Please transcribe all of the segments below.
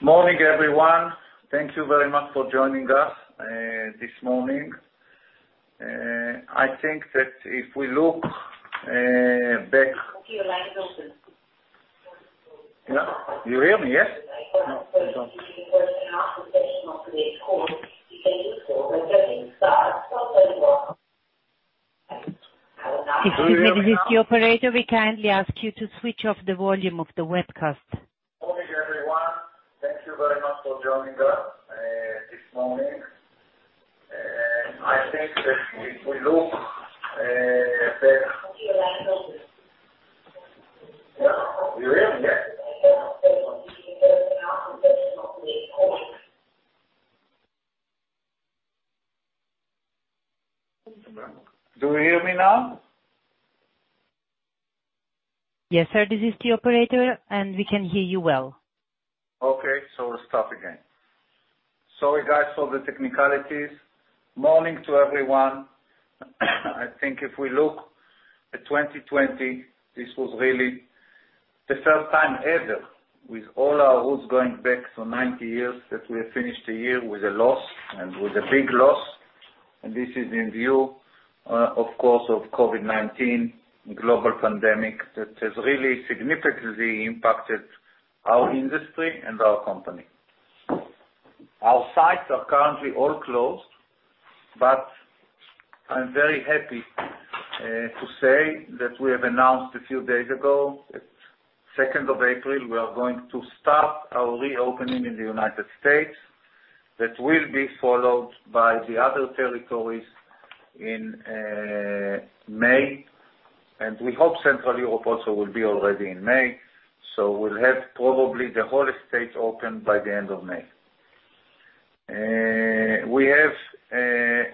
Morning, everyone. Thank you very much for joining us this morning. I think that if we look back- Your line's open. Nisan, do you hear me, yes? No. You don't. Excuse me, this is the operator. We kindly ask you to switch off the volume of the webcast. Morning, everyone. Thank you very much for joining us this morning. I think that if we look back. Your line's open. You hear me, yes? Do you hear me now? Yes, sir. This is the operator, and we can hear you well. Okay. Let's start again. Sorry, guys, for the technicalities. Morning to everyone. I think if we look at 2020, this was really the first time ever, with all our odds going back for 90 years, that we have finished a year with a loss, and with a big loss. This is in view, of course, of COVID-19 global pandemic that has really significantly impacted our industry and our company. Our sites are currently all closed but I'm very happy to say that we have announced a few days ago, at 2nd of April, we are going to start our reopening in the United States. That will be followed by the other territories in May and we hope Central Europe also will be already in May. We'll have probably the whole estate open by the end of May. We have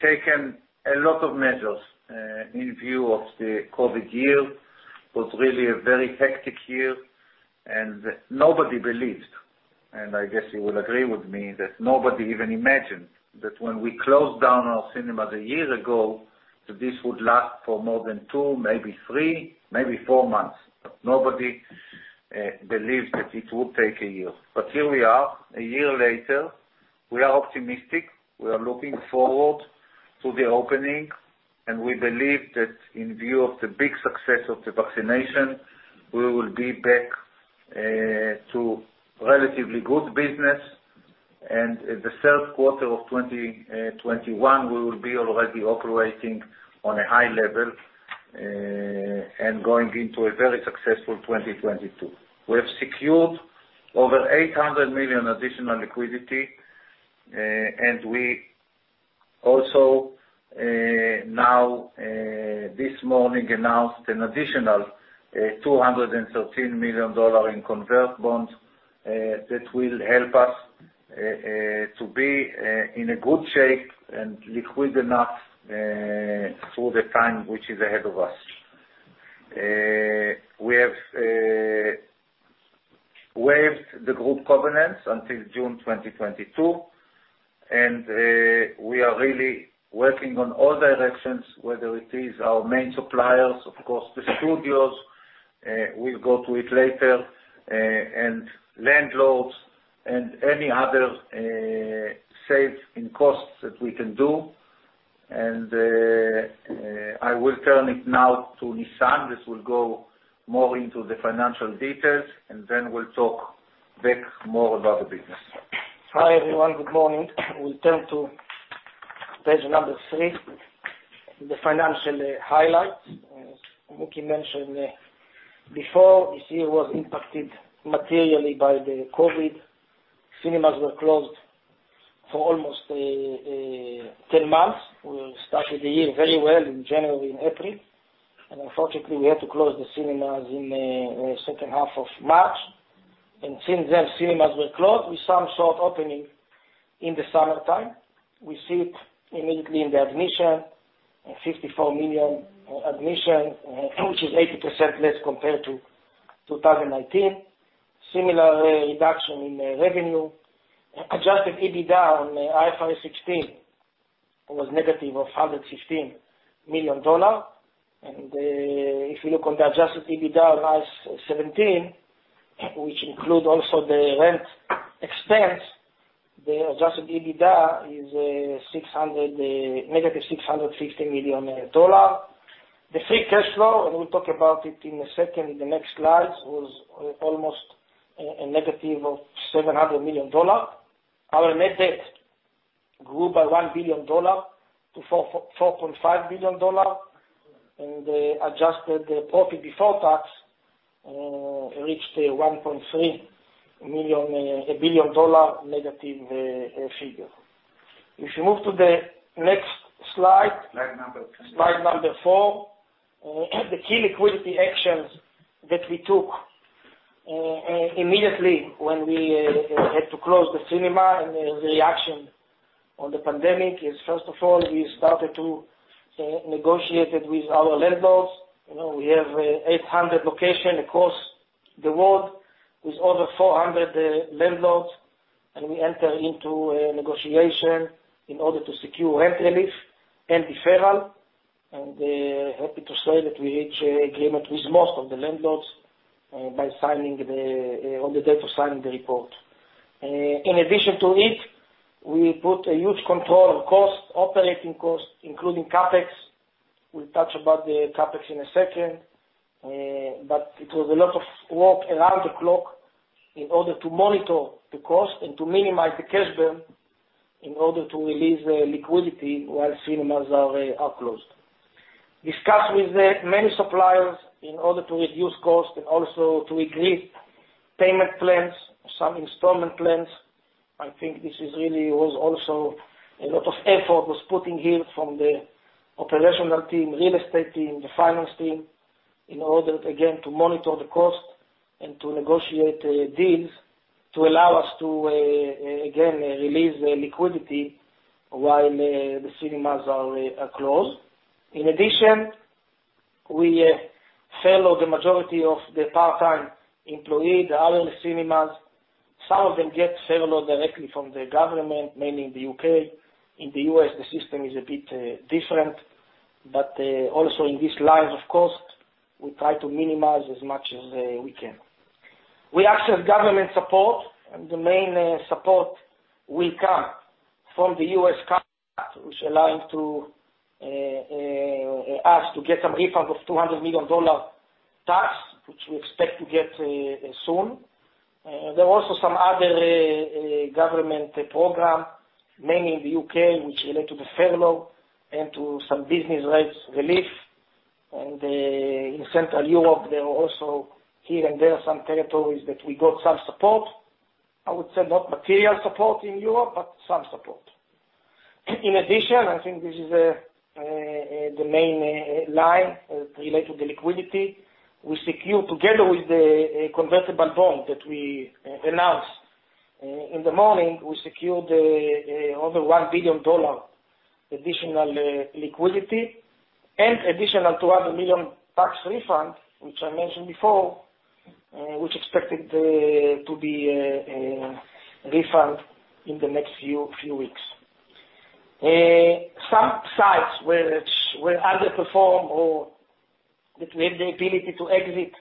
taken a lot of measures, in view of the COVID year. It was really a very hectic year, and nobody believed, and I guess you will agree with me, that nobody even imagined that when we closed down our cinemas a year ago, that this would last for more than two, maybe three, maybe four months. Nobody believed that it would take a year. Here we are, a year later. We are optimistic. We are looking forward to the opening, and we believe that in view of the big success of the vaccination, we will be back to relatively good business and the third quarter of 2021, we will be already operating on a high level, and going into a very successful 2022. We have secured over $800 million additional liquidity. We also now, this morning, announced an additional $213 million in convertible bonds, that will help us to be in a good shape and liquid enough for the time which is ahead of us. We have waived the group covenants until June 2022. We are really working on all directions, whether it is our main suppliers, of course, the studios, we'll go to it later, and landlords, and any other saves in costs that we can do. I will turn it now to Nisan, this will go more into the financial details, and then we'll talk back more about the business. Hi, everyone. Good morning. We'll turn to page number three, the financial highlights. Mooky mentioned before, this year was impacted materially by the COVID. Cinemas were closed for almost 10 months. We started the year very well in January and April. Unfortunately, we had to close the cinemas in the second half of March. Since then, cinemas were closed, with some sort opening in the summertime. We see it immediately in the admission, 54 million admission, which is 80% less compared to 2019. Similar reduction in revenue. Adjusted EBITDA on IFRS 16 was $-116 million. If you look on the adjusted EBITDA on IAS 17, which include also the rent expense, the adjusted EBITDA is $-650 million. The free cash flow, we'll talk about it in a second, in the next slides, was almost $-700 million. Our net debt grew by $1 billion, to $4.5 billion, and adjusted the profit before tax reached a $-1.3 billion figure. If you move to the next slide. Slide number three. Slide number four, the key liquidity actions that we took immediately when we had to close the cinema and the reaction on the pandemic is, first of all, we started to negotiate it with our landlords. We have 800 location across the world with over 400 landlords, and we enter into a negotiation in order to secure rent relief and deferral. Happy to say that we reached agreement with most of the landlords on the date of signing the report. In addition to it, we put a huge control on operating cost, including CapEx. We'll touch about the CapEx in a second but it was a lot of work around the clock in order to monitor the cost and to minimize the cash burn in order to release the liquidity while cinemas are closed. Discussed with many suppliers in order to reduce cost and also to agree payment plans or some installment plans. I think this really was also a lot of effort was put in here from the operational team, real estate team, the finance team, in order, again, to monitor the cost and to negotiate deals to allow us to, again, release the liquidity while the cinemas are closed. In addition, we furlough the majority of the part-time employee, the hourly cinemas. Some of them get furloughed directly from the government, mainly in the U.K. In the U.S., the system is a bit different. Also in this line, of course, we try to minimize as much as we can. We access government support, and the main support will come from the U.S. government, which allows us to get some refund of $200 million tax, which we expect to get soon. There were also some other government program, mainly in the U.K., which relate to the furlough and to some business rates relief. In Central Europe, there are also here and there some territories that we got some support. I would say not material support in Europe, but some support. In addition, I think this is the main line related to liquidity, we secure together with the convertible bond that we announced. In the morning, we secured over $1 billion additional liquidity and additional $200 million tax refund, which I mentioned before, which expected to be refund in the next few weeks. Some sites which were underperformed or that we have the ability to exit,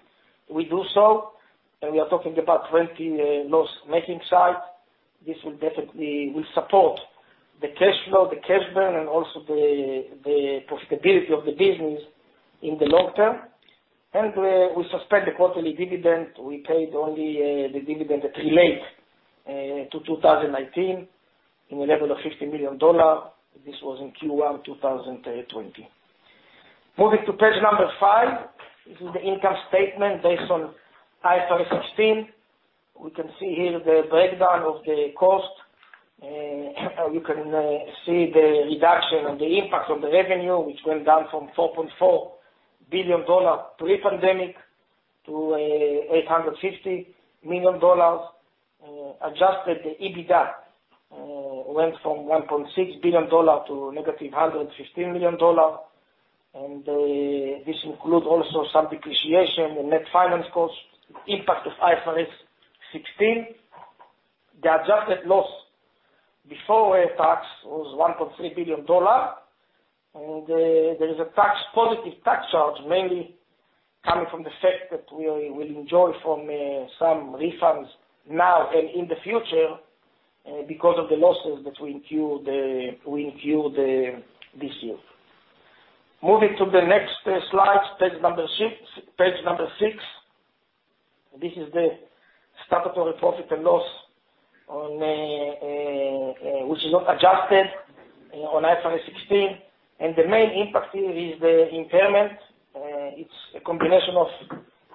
we do so and we are talking about 20 loss-making sites. This will definitely support the cash flow, the cash burn, and also the profitability of the business in the long term and we suspend the quarterly dividend. We paid only the dividend that relate to 2019 in the level of $50 million. This was in Q1 2020. Moving to page number five. This is the income statement based on IFRS 16. We can see here the breakdown of the cost. You can see the reduction and the impact on the revenue, which went down from $4.4 billion pre-pandemic to $850 million. Adjusted EBITDA went from $1.6 billion to $-115 million, and this include also some depreciation and net finance cost, impact of IFRS 16. The adjusted loss before tax was $1.3 billion, and there is a positive tax charge, mainly coming from the fact that we will enjoy from some refunds now and in the future because of the losses that we incurred this year. Moving to the next slide, page number six. This is the statutory profit and loss which is not adjusted on IFRS 16 and the main impact here is the impairment. It's a combination of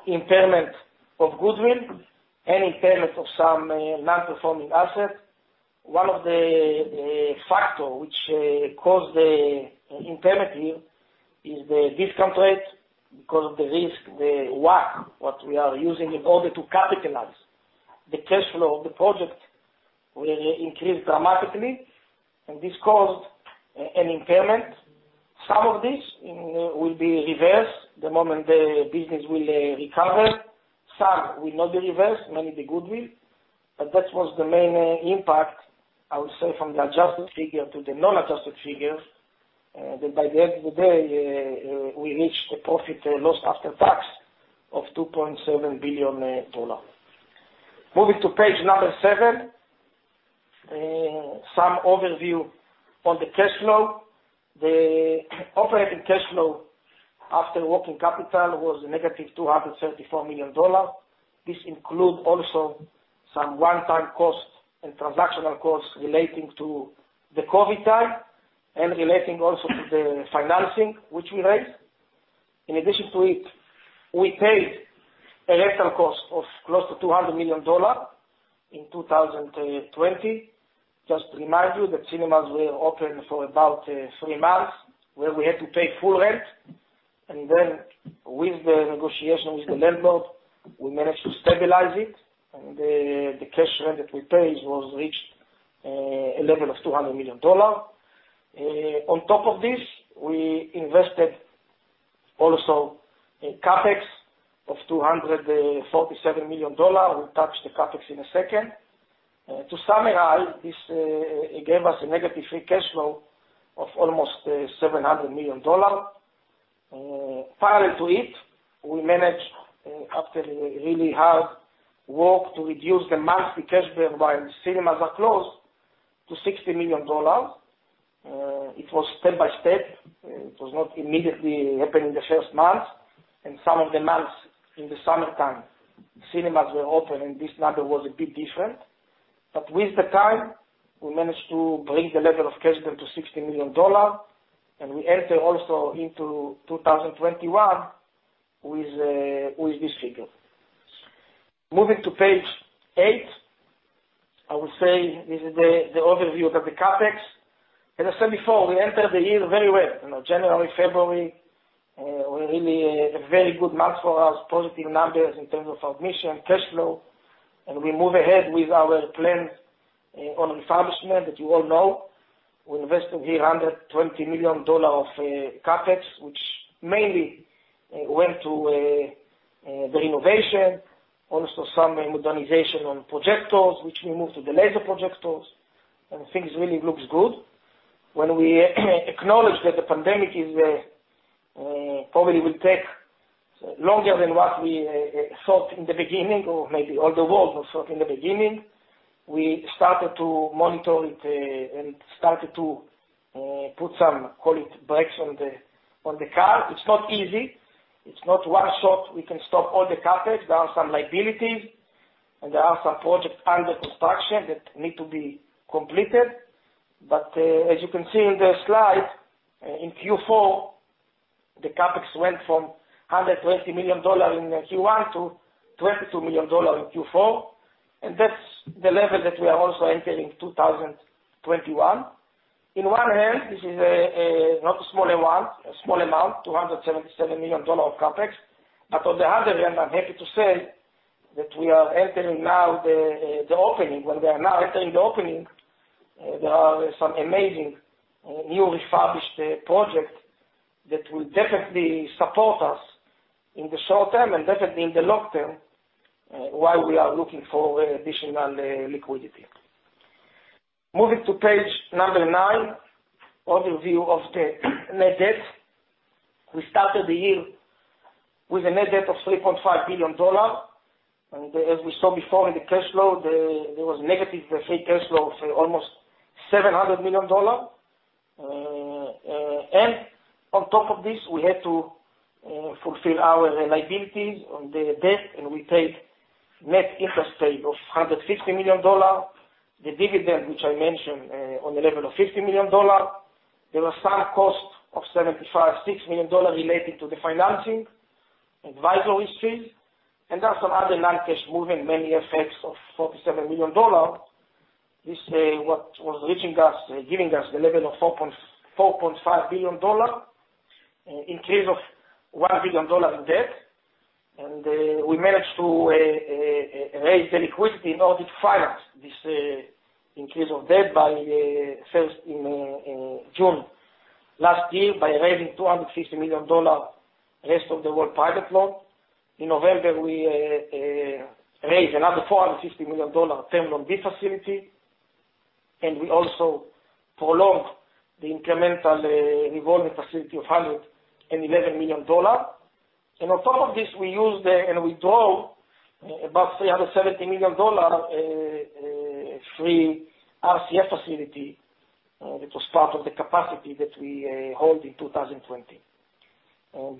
impairment of goodwill and impairment of some non-performing assets. One of the factor which caused the impairment here is the discount rate because of the risk, the WACC, what we are using in order to capitalize the cash flow of the project will increase dramatically. This caused an impairment. Some of this will be reversed the moment the business will recover. Some will not be reversed, mainly the goodwill and that was the main impact, I would say, from the adjusted figure to the non-adjusted figure. By the end of the day, we reached a profit loss after tax of $2.7 billion. Moving to page number seven. Some overview on the cash flow. The operating cash flow after working capital was $-234 million. This include also some one-time cost and transactional cost relating to the COVID time and relating also to the financing, which we raised. In addition to it, we paid a rental cost of close to $200 million in 2020. Just to remind you that cinemas were open for about three months, where we had to pay full rent. With the negotiation with the landlord, we managed to stabilize it, and the cash rent that we paid was reached a level of $200 million. On top of this, we invested also a CapEx of $247 million. We'll touch the CapEx in a second. To summarize, this gave us a negative free cash flow of almost $700 million. Prior to it, we managed, after really hard work, to reduce the monthly cash burn while cinemas are closed to $60 million. It was step-by-step. It was not immediately happening the first month, and some of the months in the summertime, cinemas were open, and this number was a bit different. With time, we managed to bring the level of cash burn to $60 million, and we enter also into 2021 with this figure. Moving to page eight, I would say this is the overview of the CapEx. As I said before, we entered the year very well. January, February, were really a very good month for us. Positive numbers in terms of admission, cash flow. We move ahead with our plans on refurbishment that you all know. We invested here $120 million of CapEx, which mainly went to the renovation, also some modernization on projectors, which we moved to the laser projectors. Things really looks good. When we acknowledged that the pandemic probably will take longer than what we thought in the beginning, or maybe all the world was thought in the beginning, we started to monitor it, and started to put some, call it, brakes on the car. It's not easy. It's not one shot, we can stop all the CapEx. There are some liabilities, and there are some projects under construction that need to be completed. As you can see in the slide, in Q4, the CapEx went from $120 million in Q1 to $22 million in Q4 and that's the level that we are also entering 2021. In one hand, this is not a small amount, $277 million of CapEx, but on the other hand, I'm happy to say that we are entering now the opening. When we are now entering the opening, there are some amazing new refurbished projects that will definitely support us in the short term, and definitely in the long term, while we are looking for additional liquidity. Moving to page nine, overview of the net debt. We started the year with a net debt of $3.5 billion. As we saw before in the cash flow, there was negative free cash flow of almost $700 million. On top of this, we had to fulfill our liabilities on the debt, and we paid net interest rate of $150 million. The dividend, which I mentioned, on the level of $50 million. There was some cost of $756 million related to the financing, advisory fees, and there are some other non-cash moving mainly effects of $47 million. This was reaching us, giving us the level of $4.5 billion, increase of $1 billion in debt. We managed to raise the liquidity in order to finance this increase of debt by 1st in June last year by raising $250 million, rest of the world private loan. In November, we raised another $ 450 million Term Loan B facility, and we also prolonged the incremental revolving facility of $111 million. On top of this, we used and withdraw about $370 million, pre-existing RCF facility. That was part of the capacity that we hold in 2020.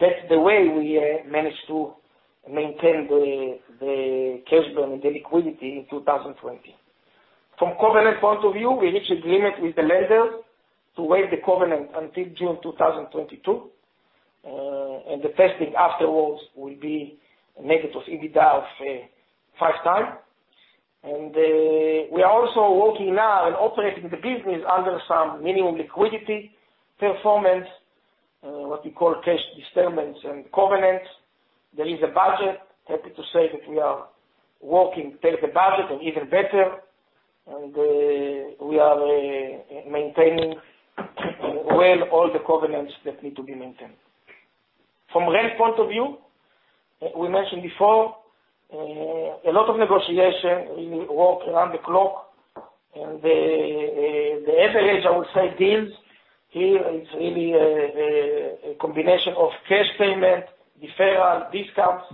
That's the way we managed to maintain the cash burn and the liquidity in 2020. From covenant point of view, we reached agreement with the lenders to waive the covenant until June 2022. The testing afterwards will be negative EBITDA of 5x. We are also working now and operating the business under some minimum liquidity performance, what we call cash disbursement and covenants. There is a budget. Happy to say that we are working till the budget and even better. We are maintaining well all the covenants that need to be maintained. From rent point of view, we mentioned before, a lot of negotiation, really work around the clock. The average, I would say, deals here is really a combination of cash payment, deferral, discounts.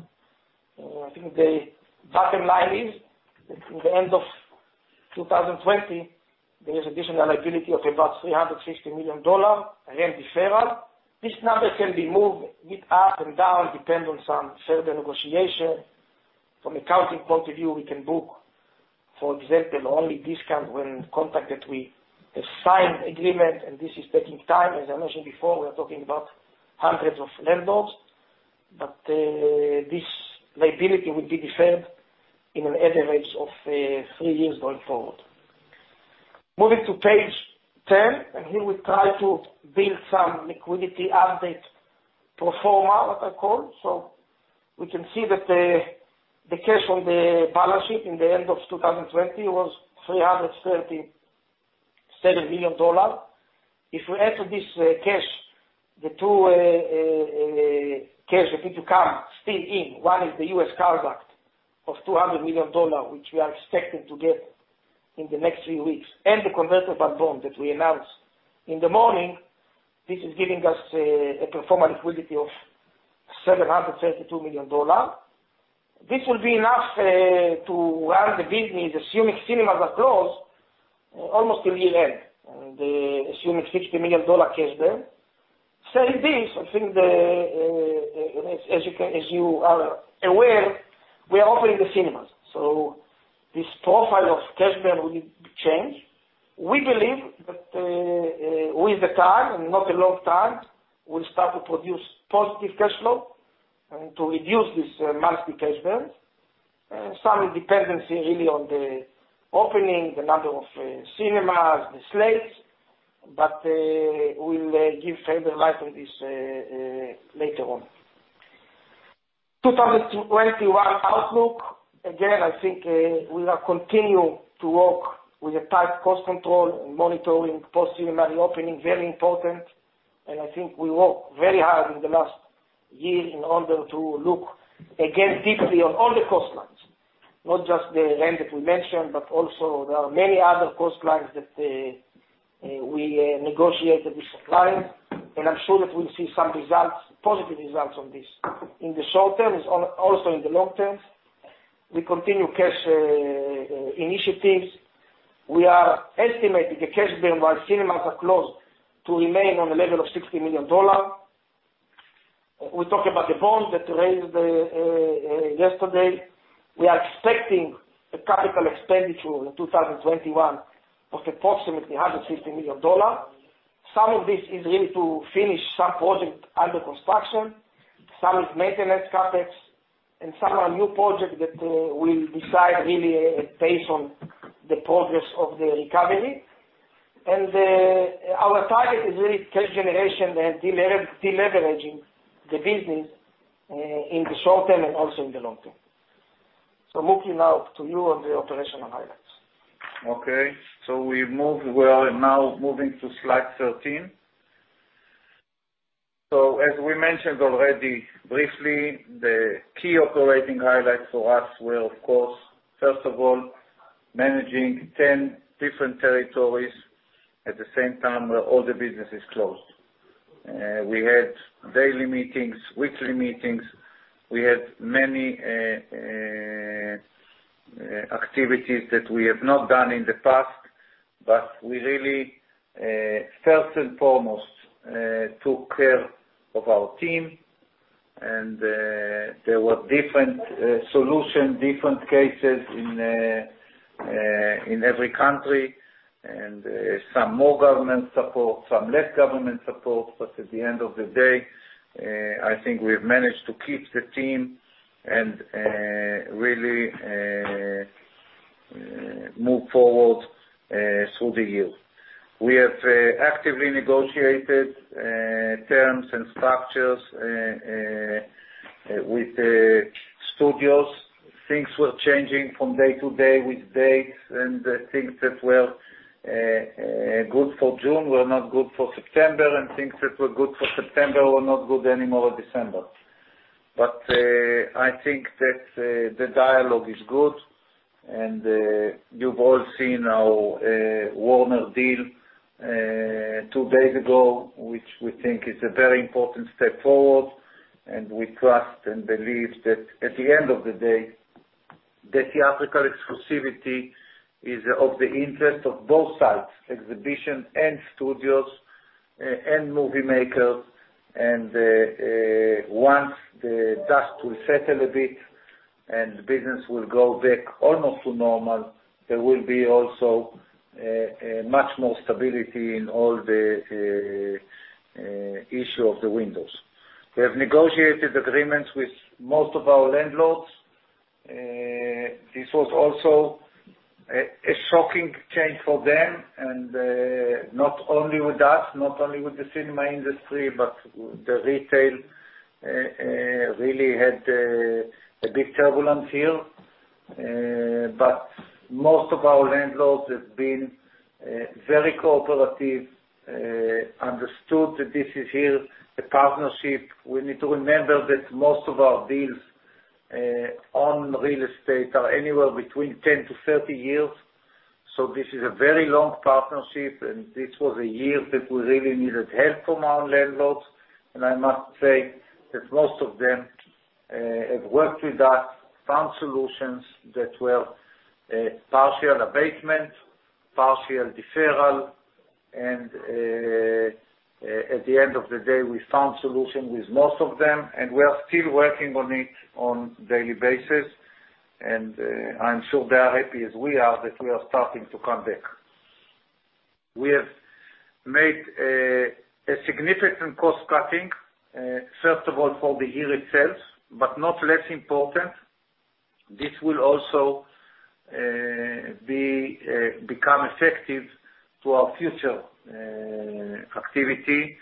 I think the bottom line is, in the end of 2020, there is additional liability of about $350 million rent deferral. This number can be moved bit up and down, depend on some further negotiation. From accounting point of view, we can book, for example, only discount when contract that we have signed agreement, and this is taking time. As I mentioned before, we're talking about hundreds of landlords. This liability will be deferred in an average of three years going forward. Moving to page 10, here we try to build some liquidity update pro forma, what I call. We can see that the cash on the balance sheet in the end of 2020 was $337 million. If we add to this cash, the two cash that need to come still in. One is the U.S. CARES Act of $200 million, which we are expecting to get in the next three weeks, and the convertible bond that we announced in the morning. This is giving us a pro forma liquidity of $732 million. This will be enough to run the business, assuming cinemas are closed, almost till year-end, assuming $60 million cash burn. Saying this, I think as you are aware, we are opening the cinemas. This profile of cash burn will need to change. We believe that with time, and not a lot of time, we'll start to produce positive cash flow and to reduce this monthly cash burn. Some dependency really on the opening, the number of cinemas, the slates, but we'll give further light on this later on. 2021 outlook. Again, I think we have continued to work with a tight cost control and monitoring post-cinema reopening, very important. I think we worked very hard in the last year in order to look again deeply on all the cost lines. Not just the rent that we mentioned, but also there are many other cost lines that we negotiated with suppliers. I'm sure that we'll see some positive results on this in the short-term, also in the long-term. We continue cash initiatives. We are estimating the cash burn while cinemas are closed to remain on the level of $60 million. We talk about the bond that raised yesterday. We are expecting a capital expenditure in 2021 of approximately $150 million. Some of this is really to finish some project under construction. Some is maintenance CapEx, and some are new projects that we'll decide really based on the progress of the recovery. Our target is really cash generation and de-leveraging the business, in the short-term and also in the long-term. Mooky, now to you on the operational highlights. Okay. We're now moving to slide 13. As we mentioned already briefly, the key operating highlights for us were, of course, first of all, managing 10 different territories at the same time where all the business is closed. We had daily meetings, weekly meetings. We had many activities that we have not done in the past. We really, first and foremost, took care of our team. There were different solutions, different cases in every country. Some more government support, some less government support. At the end of the day, I think we've managed to keep the team and really move forward through the year. We have actively negotiated terms and structures, with the studios. Things were changing from day to day with dates. Things that were good for June were not good for September. Things that were good for September were not good anymore December but I think that the dialogue is good. You've all seen our Warner deal two days ago, which we think is a very important step forward. We trust and believe that at the end of the day, the theatrical exclusivity is of the interest of both sides, exhibition and studios, and movie makers. Once the dust will settle a bit and business will go back almost to normal, there will be also much more stability in all the issue of the windows. We have negotiated agreements with most of our landlords. This was also a shocking change for them, and not only with us, not only with the cinema industry, but the retail really had a big turbulence here. Most of our landlords have been very cooperative, understood that this is here, a partnership. We need to remember that most of our deals on real estate are anywhere between 10-30 years. This is a very long partnership, and this was a year that we really needed help from our landlords. I must say that most of them have worked with us, found solution that were partial abatement, partial deferral, and at the end of the day, we found solution with most of them, and we are still working on it on daily basis. I'm sure they are happy as we are that we are starting to come back. We have made a significant cost cutting, first of all, for the year itself, but not less important, this will also become effective to our future activity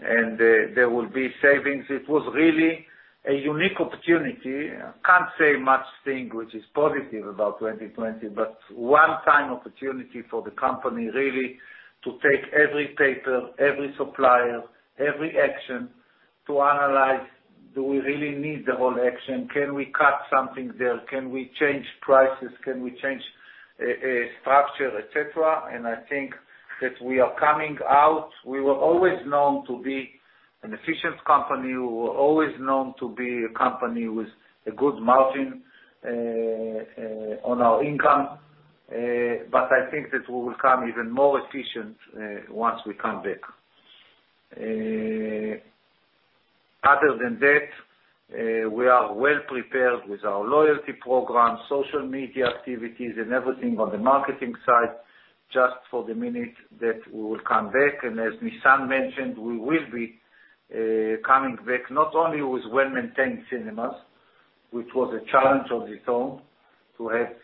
and there will be savings. It was really a unique opportunity. I can't say much thing which is positive about 2020, but one time opportunity for the company really to take every paper, every supplier, every action to analyze, do we really need the whole action? Can we cut something there? Can we change prices? Can we change structure, etc.? I think that we are coming out. We were always known to be an efficient company. We were always known to be a company with a good margin on our income but I think that we will come even more efficient, once we come back. Other than that, we are well-prepared with our loyalty program, social media activities, and everything on the marketing side, just for the minute that we will come back. As Nisan mentioned, we will be coming back not only with well-maintained cinemas, which was a challenge of its own, to have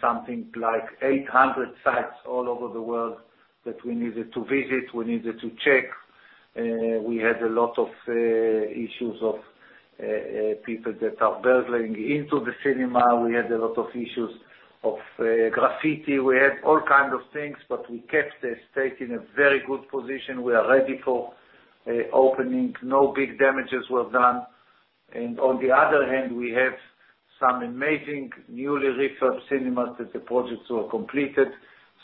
something like 800 sites all over the world that we needed to visit, we needed to check. We had a lot of issues of people that are burgling into the cinema. We had a lot of issues of graffiti. We had all kind of things, but we kept the state in a very good position. We are ready for opening. No big damages were done. On the other hand, we have some amazing newly refurb cinemas that the projects were completed,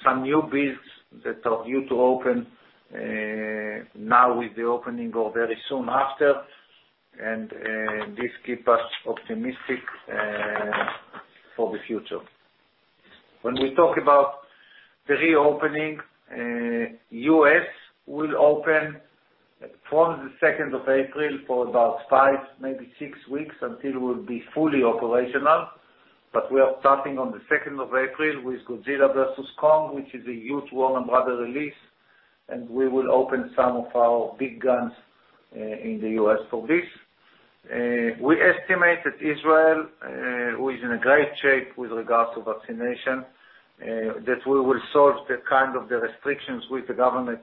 some new builds that are due to open, now with the opening or very soon after and this keep us optimistic for the future. When we talk about the reopening, U.S. will open from the 2nd of April for about five, maybe six weeks until we'll be fully operational. We are starting on the 2nd of April with Godzilla vs. Kong, which is a huge Warner Bros. release, and we will open some of our big guns in the U.S. for this. We estimate that Israel, who is in a great shape with regards to vaccination, that we will solve the kind of the restrictions with the government,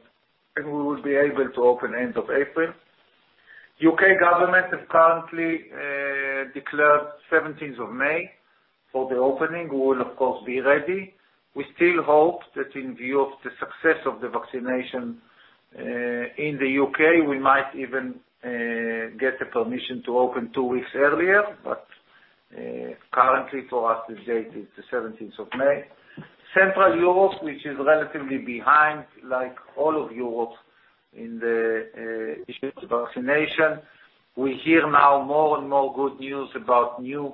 and we will be able to open end of April. U.K. government have currently declared 17th of May for the opening. We will, of course, be ready. We still hope that in view of the success of the vaccination, in the U.K., we might even get the permission to open two weeks earlier but currently for us, the date is the 17th of May. Central Europe, which is relatively behind, like all of Europe in the issues of vaccination. We hear now more and more good news about new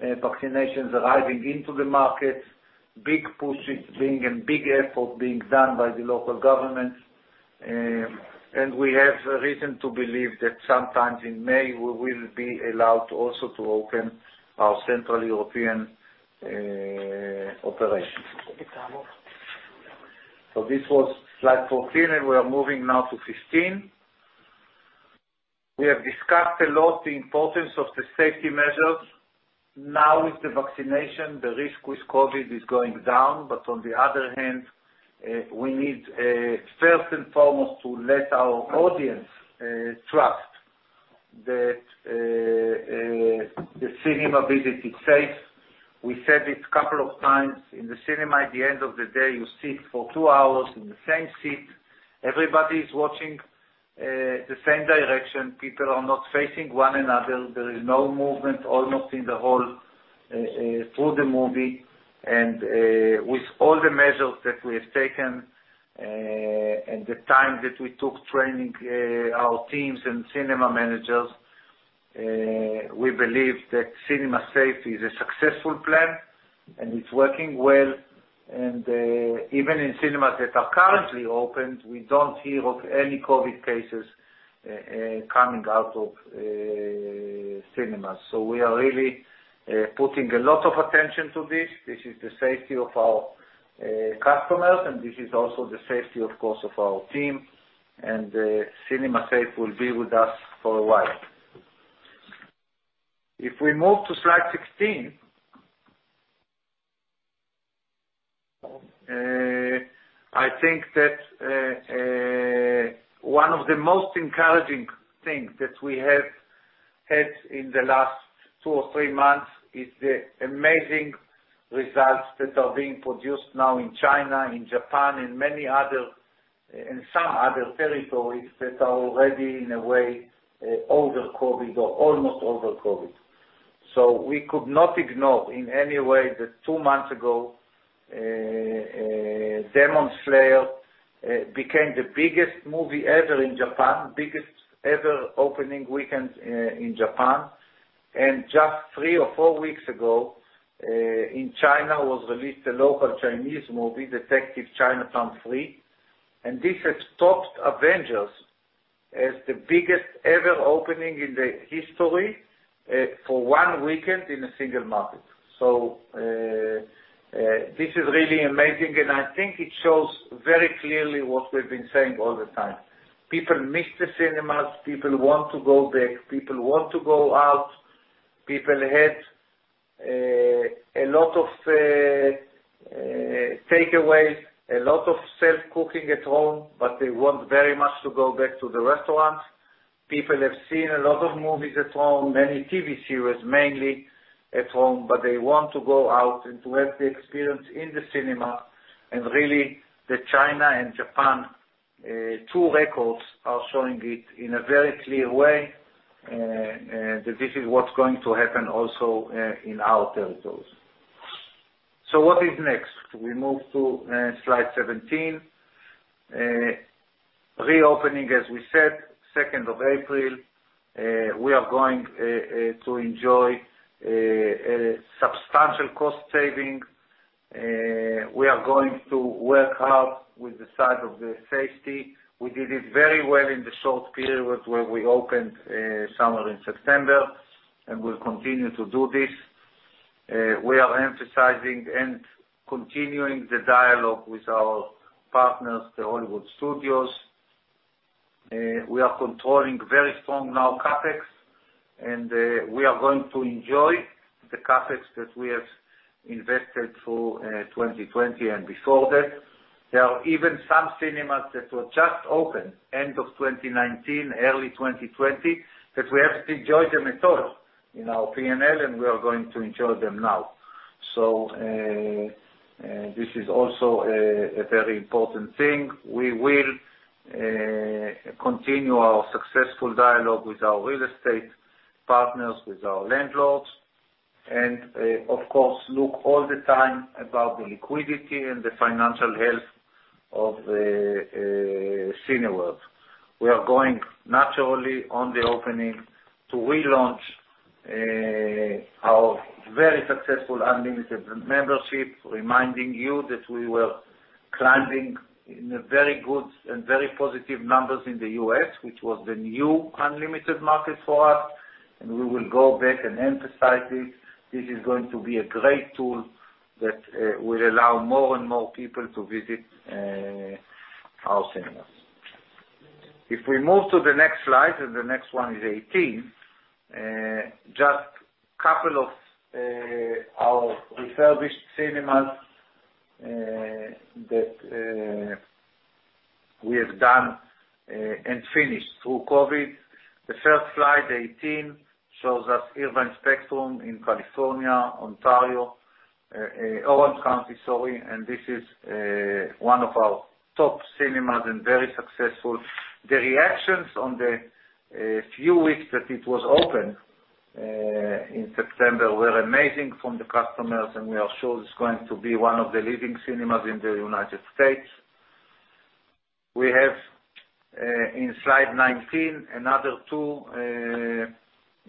vaccinations arriving into the market, big pushes being and big effort being done by the local governments. We have reason to believe that sometime in May we will be allowed also to open our Central European operations. This was slide 14, and we are moving now to 15. We have discussed a lot the importance of the safety measures. Now with the vaccination, the risk with COVID is going down, but on the other hand, we need, first and foremost, to let our audience trust that the cinema visit is safe. We said it a couple of times. In the cinema, at the end of the day, you sit for two hours in the same seat. Everybody is watching the same direction. People are not facing one another. There is no movement almost in the hall through the movie. With all the measures that we have taken, and the time that we took training our teams and cinema managers, we believe that CinemaSafe is a successful plan, and it's working well. Even in cinemas that are currently opened, we don't hear of any COVID cases coming out of cinemas. We are really putting a lot of attention to this. This is the safety of our customers, and this is also the safety, of course, of our team. CinemaSafe will be with us for a while. If we move to slide 16, I think that one of the most encouraging things that we have had in the last two or three months is the amazing results that are being produced now in China, in Japan, in some other territories that are already, in a way, over COVID or almost over COVID. We could not ignore in any way that two months ago, Demon Slayer became the biggest movie ever in Japan, biggest ever opening weekend in Japan. Just three or four weeks ago, in China was released a local Chinese movie, Detective Chinatown 3 and this has topped Avengers as the biggest ever opening in the history for one weekend in a single market. This is really amazing, and I think it shows very clearly what we've been saying all the time. People miss the cinemas. People want to go back. People want to go out. People had a lot of takeaway, a lot of self-cooking at home, but they want very much to go back to the restaurant. People have seen a lot of movies at home, many TV series mainly at home, but they want to go out and to have the experience in the cinema, and really, the China and Japan two records are showing it in a very clear way that this is what's going to happen also in our territories. What is next? We move to slide 17. Reopening, as we said, 2nd of April, we are going to enjoy a substantial cost saving. We are going to work hard with the side of the safety. We did it very well in the short period where we opened somewhere in September, and we'll continue to do this. We are emphasizing and continuing the dialogue with our partners, the Hollywood Studios. We are controlling very strong now, CapEx and we are going to enjoy the CapEx that we have invested through 2020 and before that. There are even some cinemas that were just opened end of 2019, early 2020, that we have to enjoy them at all in our P&L. We are going to enjoy them now. This is also a very important thing. We will continue our successful dialogue with our real estate partners, with our landlords, of course, look all the time about the liquidity and the financial health of Cineworld. We are going naturally on the opening to relaunch our very successful Unlimited membership, reminding you that we were climbing in a very good and very positive numbers in the U.S., which was the new Unlimited market for us, and we will go back and emphasize it. This is going to be a great tool that will allow more and more people to visit our cinemas. If we move to the next slide, and the next one is 18 just couple of our refurbished cinemas that we have done, and finished through COVID. The first slide, 18, shows us Irvine Spectrum in California, Ontario. Orange County, sorry. This is one of our top cinemas and very successful. The reactions on the few weeks that it was open, in September, were amazing from the customers, and we are sure it's going to be one of the leading cinemas in the United States. We have, in slide 19, another two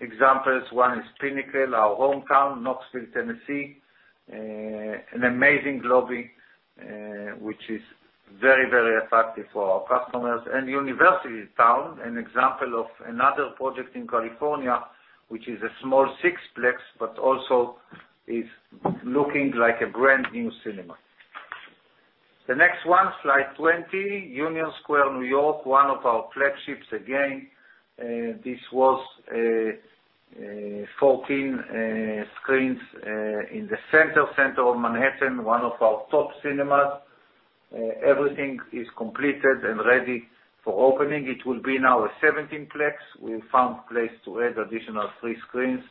examples. One is Pinnacle, our hometown, Knoxville, Tennessee. An amazing lobby, which is very, very attractive for our customers. University Town, an example of another project in California, which is a small sixplex, but also is looking like a brand-new cinema. The next one, slide 20, Union Square, New York, one of our flagships again. This was 14 screens, in the center of Manhattan, one of our top cinemas. Everything is completed and ready for opening. It will be now a 17-Plex. We found place to add additional three screens,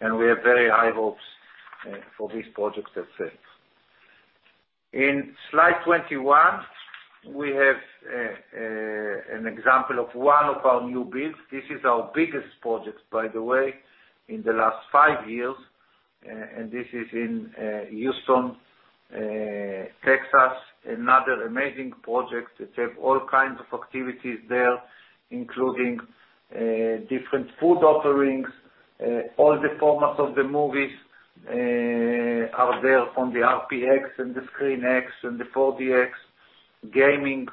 and we have very high hopes for this project that's it. In slide 21, we have an example of one of our new builds. This is our biggest project, by the way, in the last five years. This is in Houston, Texas. Another amazing project that have all kinds of activities there, including different food offerings. All the formats of the movies are there on the RPX and the ScreenX and the 4DX. Gaming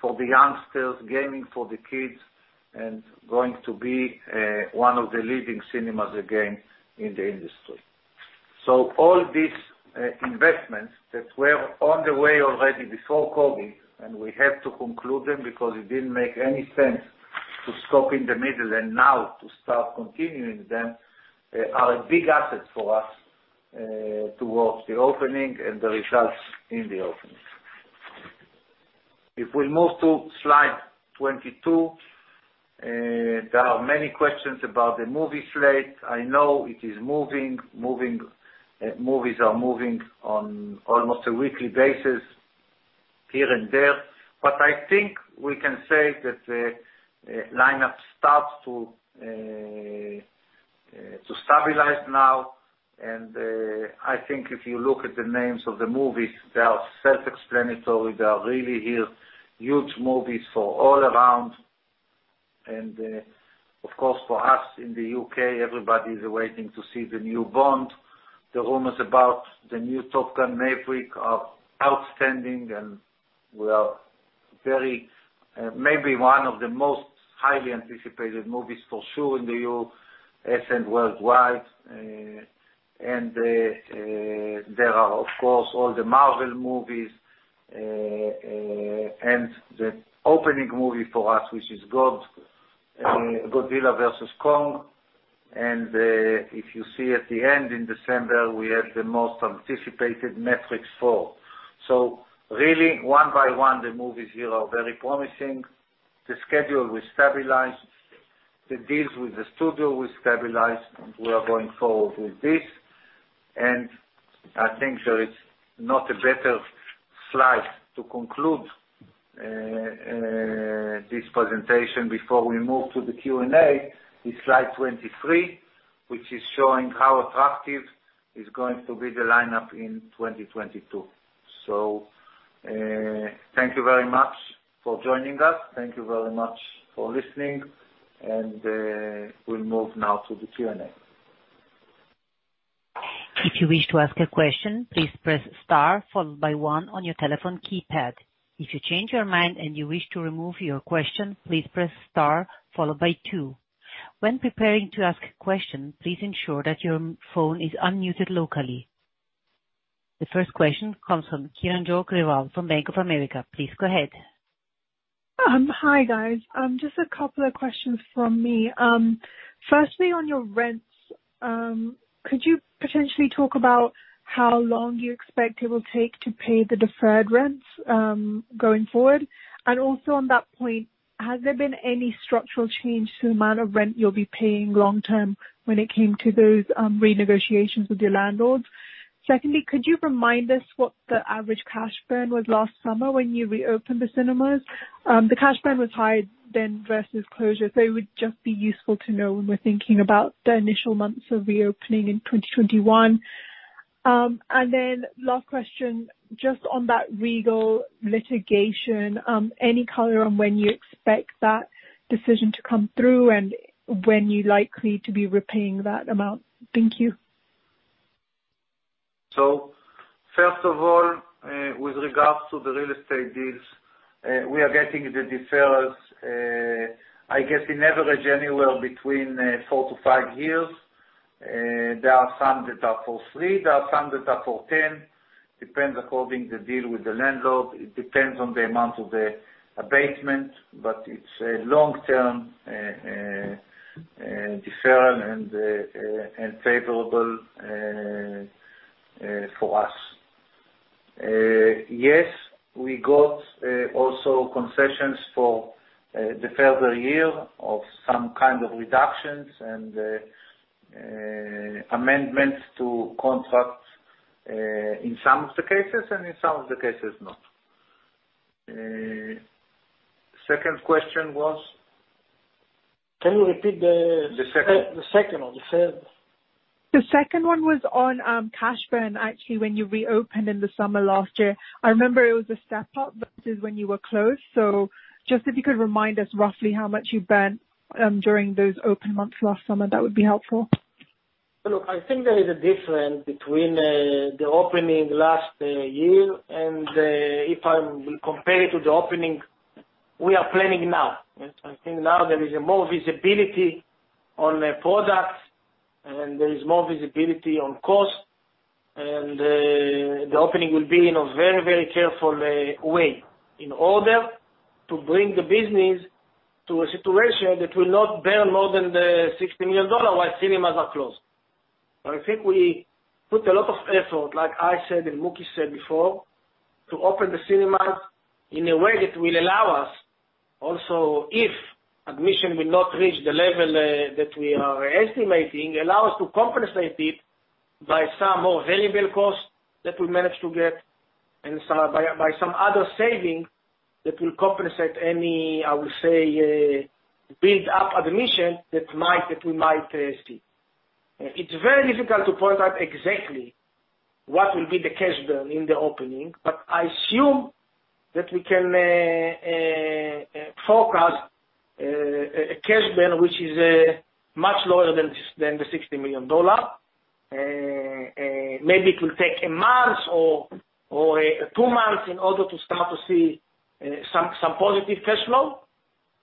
for the youngsters, gaming for the kids, going to be one of the leading cinemas again in the industry. All these investments that were on the way already before COVID, we had to conclude them because it didn't make any sense to stop in the middle and now to start continuing them, are a big asset for us, towards the opening and the results in the opening. If we move to slide 22, there are many questions about the movie slate. I know it is moving. Movies are moving on almost a weekly basis here and there. I think we can say that the lineup starts to stabilize now, and I think if you look at the names of the movies, they are self-explanatory. They are really huge movies for all around, and of course, for us in the U.K., everybody is waiting to see the new Bond. The rumors about the new Top Gun: Maverick are outstanding, and maybe one of the most highly anticipated movies for sure in the U.S.A and worldwide. There are, of course, all the Marvel movies, and the opening movie for us, which is Godzilla vs. Kong. If you see at the end, in December, we have the most anticipated, Matrix 4. Really, one by one, the movies here are very promising. The schedule will stabilize. The deals with the studio will stabilize, and we are going forward with this. I think there is not a better slide to conclude this presentation before we move to the Q&A, is slide 23, which is showing how attractive is going to be the lineup in 2022. Thank you very much for joining us. Thank you very much for listening and we'll move now to the Q&A. If you wish to ask a question, please press star followed by one on your telephone keypad. If you change your mind and you wish remove your question, please press star followed by two. When prepairing to ask a queston, please ensure that phone is unmuted locally. The first question comes from Kiranjot Grewal from Bank of America. Please go ahead. Hi, guys. Just a couple of questions from me. Firstly, on your rents, could you potentially talk about how long you expect it will take to pay the deferred rents, going forward? Also on that point, has there been any structural change to the amount of rent you'll be paying long-term when it came to those, renegotiations with your landlords? Seondly, could you remind us what the average cash burn was last summer when you reopened the cinemas? The cash burn was higher then versus closure. It would just be useful to know when we're thinking about the initial months of reopening in 2021. Last question, just on that Regal litigation, any color on when you expect that decision to come through and when you're likely to be repaying that amount? Thank you. First of all, with regards to the real estate deals, we are getting the deferrals, I guess in average anywhere between four to five years. There are some that are for three, there are some that are for 10. Depends according the deal with the landlord, it depends on the amount of the abatement, but it's a long-term deferral and favorable for us. Yes, we got also concessions for a further year of some kind of reductions and amendments to contracts in some of the cases, and in some of the cases not. Second question was- Can you repeat- The second. ...the second or the third? The second one was on cash burn, actually, when you reopened in the summer last year. I remember it was a step-up versus when you were closed. Just if you could remind us roughly how much you burnt during those open months last summer, that would be helpful. Look, I think there is a difference between the opening last year, and if I will compare it to the opening we are planning now. I think now there is more visibility on the products and there is more visibility on cost, and the opening will be in a very careful way. In order to bring the business to a situation that will not burn more than the $60 million while cinemas are closed. I think we put a lot of effort, like I said, and Mooky said before, to open the cinemas in a way that will allow us also, if admission will not reach the level that we are estimating, allow us to compensate it by some more variable costs that we manage to get, and by some other saving that will compensate any, I will say, build-up admission that we might see. It's very difficult to point out exactly what will be the cash burn in the opening, but I assume that we can forecast a cash burn which is much lower than the $60 million. Maybe it will take a month or two months in order to start to see some positive cash flow.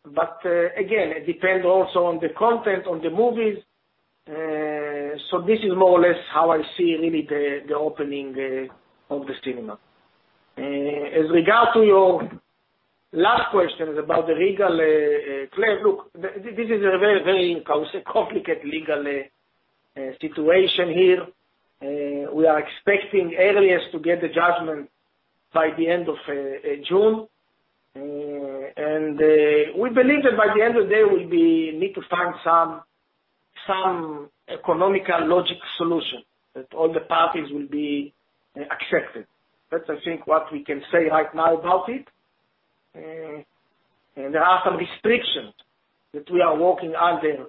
Again, it depends also on the content, on the movies. This is more or less how I see really the opening of the cinema. As regard to your last question about the Regal claim, look, this is a very complicated legal situation here. We are expecting earliest to get the judgment by the end of June. We believe that by the end of the day, we'll need to find some economical logic solution that all the parties will be accepted. That's I think what we can say right now about it. There are some restrictions that we are working under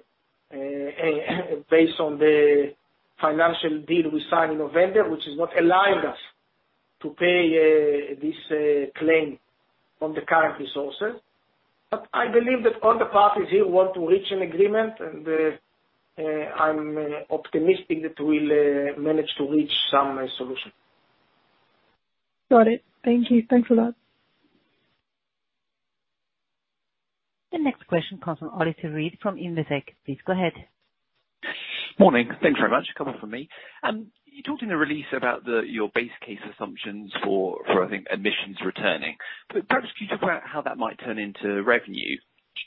based on the financial deal we signed in November, which is not allowing us to pay this claim from the current resources. I believe that all the parties here want to reach an agreement, and I'm optimistic that we'll manage to reach some solution. Got it. Thank you. Thanks a lot. The next question comes from Alastair Reid from Investec. Please go ahead. Morning. Thanks very much. A couple from me. You talked in the release about your base case assumptions for, I think, admissions returning. Perhaps could you talk about how that might turn into revenue?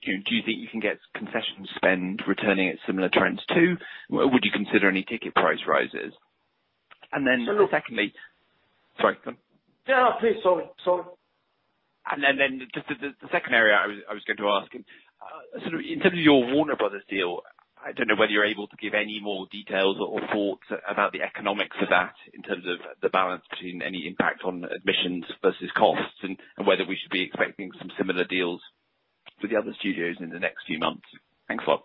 Do you think you can get concession spend returning at similar trends, too? Would you consider any ticket price rises? Secondly Sorry, go on. Yeah, please. Sorry. Just the second area I was going to ask. In terms of your Warner Bros. deal, I don't know whether you're able to give any more details or thoughts about the economics of that, in terms of the balance between any impact on admissions versus costs, and whether we should be expecting some similar deals with the other studios in the next few months. Thanks a lot.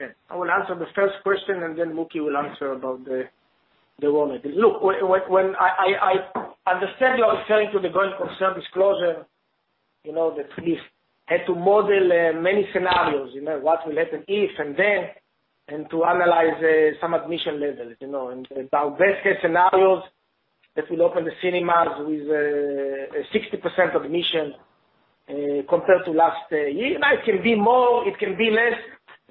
Okay. I will answer the first question, and then Mooky will answer about the Warner. Look, I understand you are referring to the going concern disclosure, that we had to model many scenarios. What will happen if and then, and to analyze some admission levels. In our best case scenarios, if we open the cinemas with 60% admission, compared to last year. It can be more, it can be less.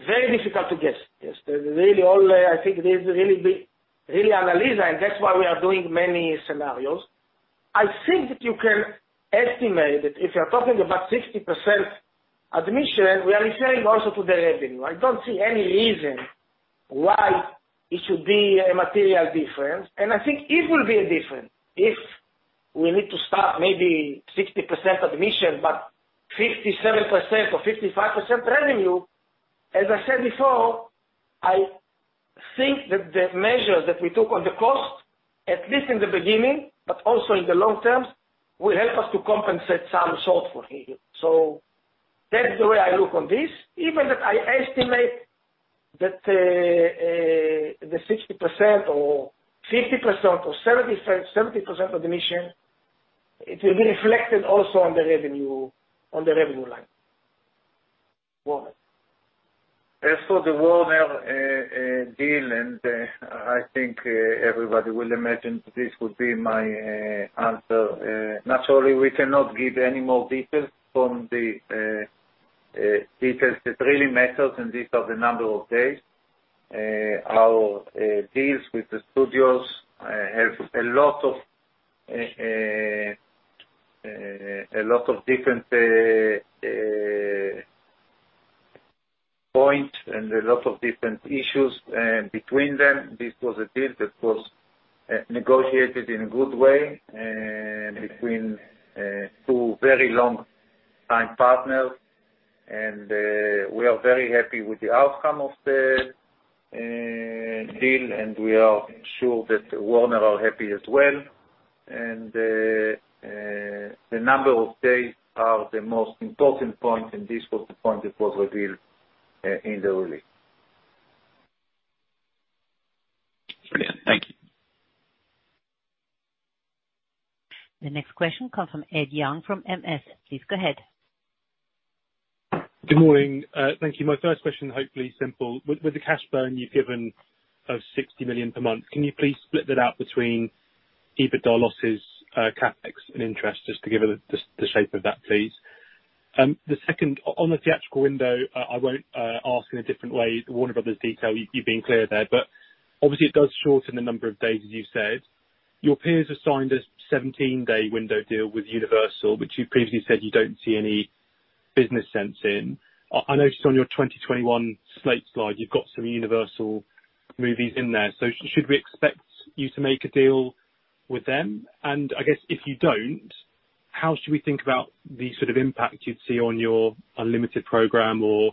Very difficult to guess. Yes. I think this really analysis, and that's why we are doing many scenarios. I think that you can estimate that if you're talking about 60% admission, we are referring also to the revenue. I don't see any reason why it should be a material difference. I think it will be a difference if we need to start maybe 60% admission, but 57% or 55% revenue. As I said before, I think that the measures that we took on the cost, at least in the beginning, but also in the long term, will help us to compensate some shortfall here. That's the way I look on this. Even if I estimate that the 60% or 50% or 70% admission, it will be reflected also on the revenue line. Warner. As for the Warner deal, I think everybody will imagine this would be my answer. Naturally, we cannot give any more details from the details that really matters, and these are the number of days. Our deals with the studios have a lot of different points and a lot of different issues between them. This was a deal that was negotiated in a good way between two very longtime partners. We are very happy with the outcome of the deal, and we are sure that Warner are happy as well. The number of days are the most important point, and this was the point that was revealed in the release. Brilliant. Thank you. The next question comes from Ed Young from MS. Please go ahead. Good morning. Thank you. My first question, hopefully simple. With the cash burn you've given of $60 million per month, can you please split that out between EBITDA losses, CapEx and interest, just to give the shape of that, please? The second, on the theatrical window, I won't ask in a different way, the Warner Bros. detail, you've been clear there. Obviously, it does shorten the number of days, as you said. Your peers have signed a 17-day window deal with Universal, which you previously said you don't see any business sense in. I noticed on your 2021 slate slide, you've got some Universal movies in there, so should we expect you to make a deal with them? I guess if you don't, how should we think about the sort of impact you'd see on your Unlimited program or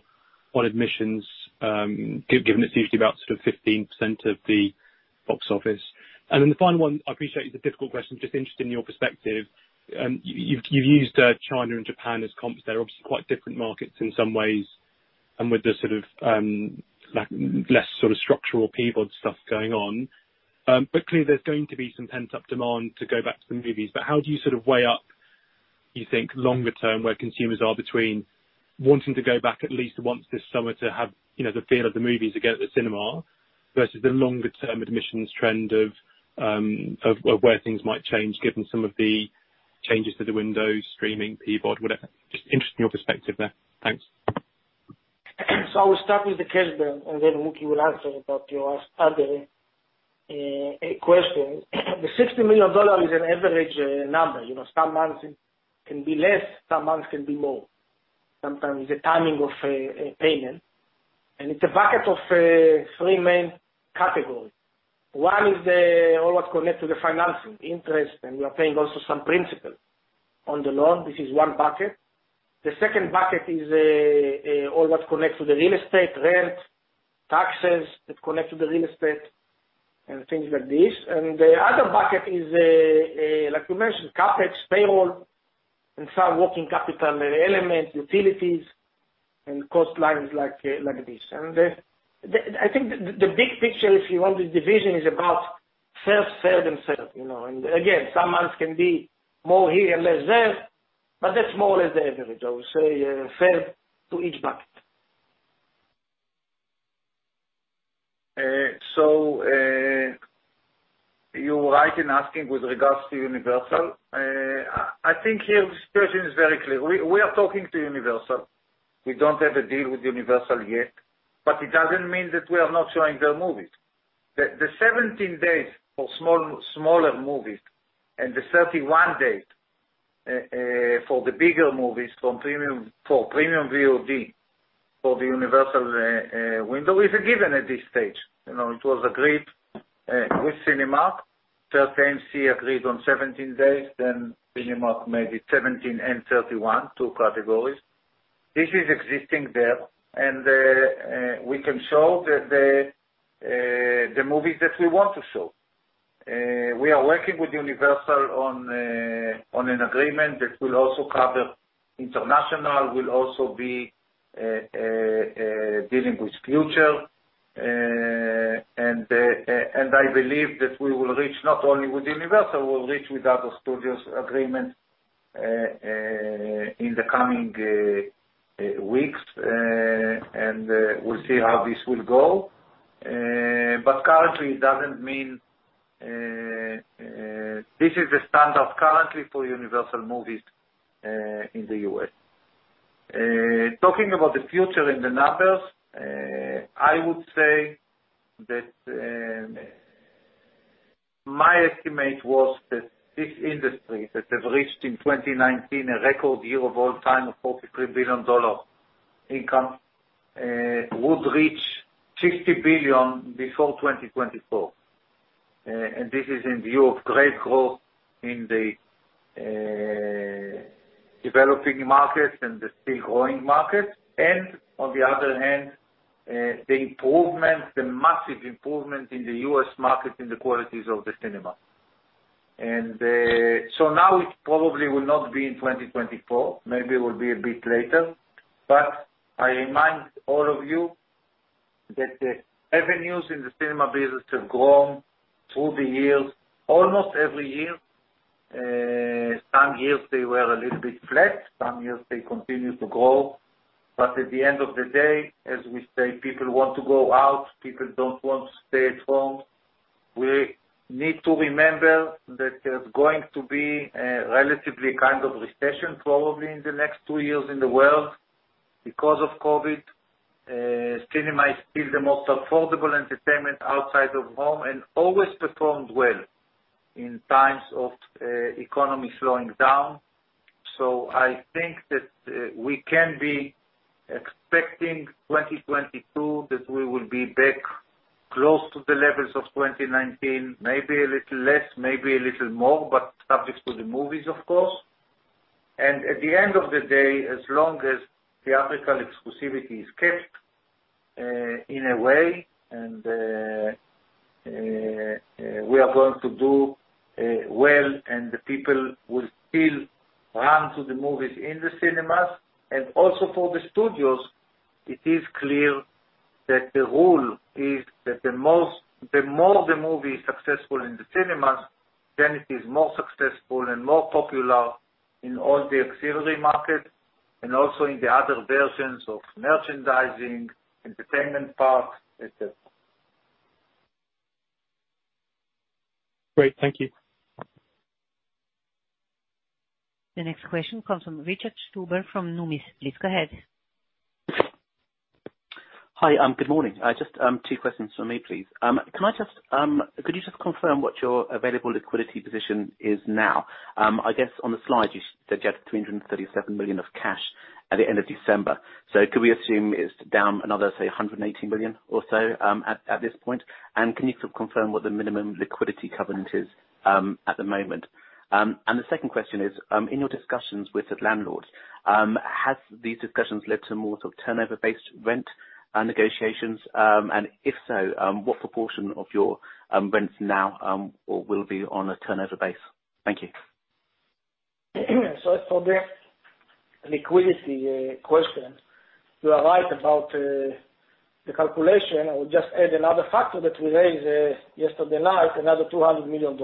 on admissions, given that usually about sort of 15% of the Box Office. Then the final one, I appreciate it's a difficult question, just interested in your perspective. You've used China and Japan as comps. They're obviously quite different markets in some ways, and with the sort of less structural PVOD stuff going on. Clearly there's going to be some pent-up demand to go back to the movies. How do you sort of weigh up, you think, longer term, where consumers are between wanting to go back at least once this summer to have the feel of the movies again at the cinema, versus the longer-term admissions trend of where things might change given some of the changes to the windows, streaming, PVOD, whatever. Just interested in your perspective there. Thanks. I will start with the cash burn, and then Mooky will answer about your other question. The $60 million is an average number. Some months can be less, some months can be more. Sometimes the timing of payment. It's a bucket of three main categories. One is all what connect to the financing, interest, and we are paying also some principal on the loan. On demand, this is one bucket. The second bucket is all what connect to the real estate, rent, taxes that connect to the real estate, and things like this. The other bucket is, like we mentioned, CapEx, payroll, and some working capital elements, utilities, and cost lines like this. I think the big picture, if you want, the division is about fair serve and fair. Again, some months can be more here, less there, but that's more or less the average, I would say, fair to each bucket. I can ask him with regards to Universal. I think here the situation is very clear. We are talking to Universal. We don't have a deal with Universal yet, but it doesn't mean that we are not showing their movies. The 17 days for smaller movies and the 31 days for the bigger movies for Premium VOD, for the Universal window, is a given at this stage. It was agreed with Cinemark, AMC agreed on 17 days, then Cinemark made it 17 and 31, two categories. This is existing there, and we can show the movies that we want to show. We are working with Universal on an agreement that will also cover international, will also be dealing with future. I believe that we will reach not only with Universal, we will reach with other studios agreements, in the coming weeks and we'll see how this will go. This is the standard currently for Universal Movies, in the U.S. Talking about the future in the numbers, I would say that my estimate was that this industry, that have reached in 2019, a record year of all time of $43 billion income, would reach $60 billion before 2024. This is in view of great growth in the developing markets and the still growing markets. On the other hand, the massive improvement in the U.S. market in the qualities of the cinema. Now it probably will not be in 2024, maybe it will be a bit later, but I remind all of you that the avenues in the cinema business have grown through the years, almost every year. Some years they were a little bit flat, some years they continued to grow. At the end of the day, as we say, people want to go out. People don't want to stay at home. We need to remember that there's going to be a relatively kind of recession probably in the next two years in the world because of COVID. Cinema is still the most affordable entertainment outside of home and always performed well in times of economy slowing down. I think that we can be expecting 2022, that we will be back close to the levels of 2019, maybe a little less, maybe a little more, but subject to the movies, of course. At the end of the day, as long as theatrical exclusivity is kept, in a way, we are going to do well, and the people will still run to the movies in the cinemas. Also for the studios, it is clear that the rule is that the more the movie is successful in the cinemas, then it is more successful and more popular in all the auxiliary markets and also in the other versions of merchandising, entertainment parks, etc. Great. Thank you. The next question comes from Richard Stuber from Numis. Please go ahead. Hi, good morning. Just two questions from me, please. Could you just confirm what your available liquidity position is now? I guess on the slide you said you had $337 million of cash at the end of December. Could we assume it's down another, say, $180 million or so, at this point? Can you confirm what the minimum liquidity covenant is at the moment? The second question is, in your discussions with the landlords, has these discussions led to more turnover-based rent negotiations? If so, what proportion of your rents now, or will be on a turnover base? Thank you. For the liquidity question, you are right about the calculation. I would just add another factor that we raised yesterday night, another $200 million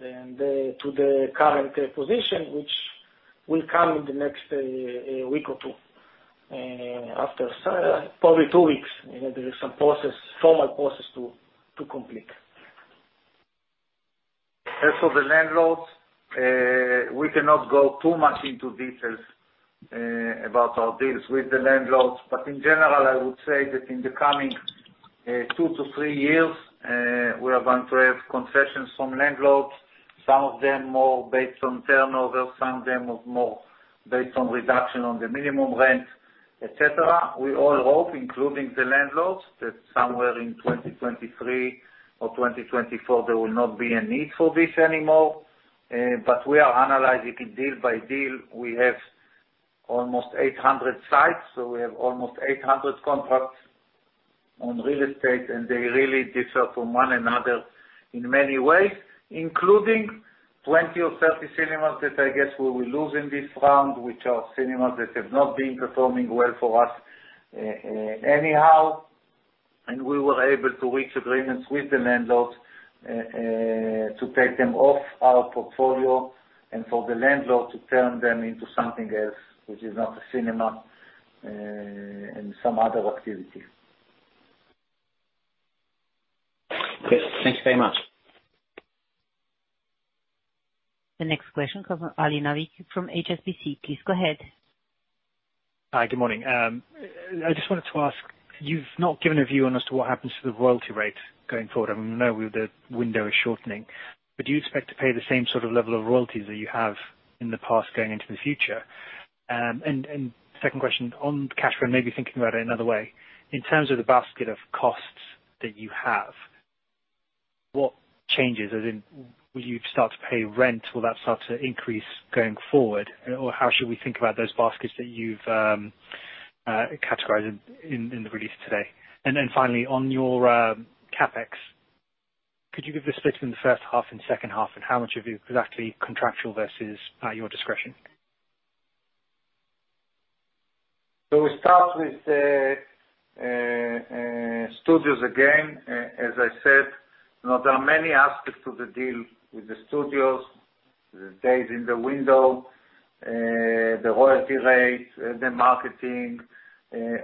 to the current position, which will come in the next week or two, probably two weeks. There is some formal process to complete. As for the landlords, we cannot go too much into details about our deals with the landlords. In general, I would say that in the coming two to three years, we are going to have concessions from landlords, some of them more based on turnover, some of them more based on reduction on the minimum rent, etc. We all hope, including the landlords, that somewhere in 2023 or 2024, there will not be a need for this anymore. We are analyzing it deal by deal. We have almost 800 sites, so we have almost 800 contracts on real estate, and they really differ from one another in many ways, including 20 or 30 cinemas that I guess we will lose in this round, which are cinemas that have not been performing well for us anyhow. We were able to reach agreements with the landlords to take them off our portfolio and for the landlord to turn them into something else, which is not a cinema, and some other activity. Yes. Thank you very much. The next question, come Ali Naqvi from HSBC. Please go ahead. Hi, good morning. I just wanted to ask, you've not given a view on as to what happens to the royalty rate going forward. I know the window is shortening. Do you expect to pay the same sort of level of royalties that you have in the past going into the future? Second question on cash burn, maybe thinking about it another way. In terms of the basket of costs that you have, what changes? As in, will you start to pay rent? Will that start to increase going forward? How should we think about those baskets that you've categorized in the release today? Finally, on your CapEx, could you give the split in the first half and second half, and how much of it is actually contractual versus your discretion? We start with, studios again. As I said, there are many aspects to the deal with the studios, the days in the window, the royalty rate, the marketing,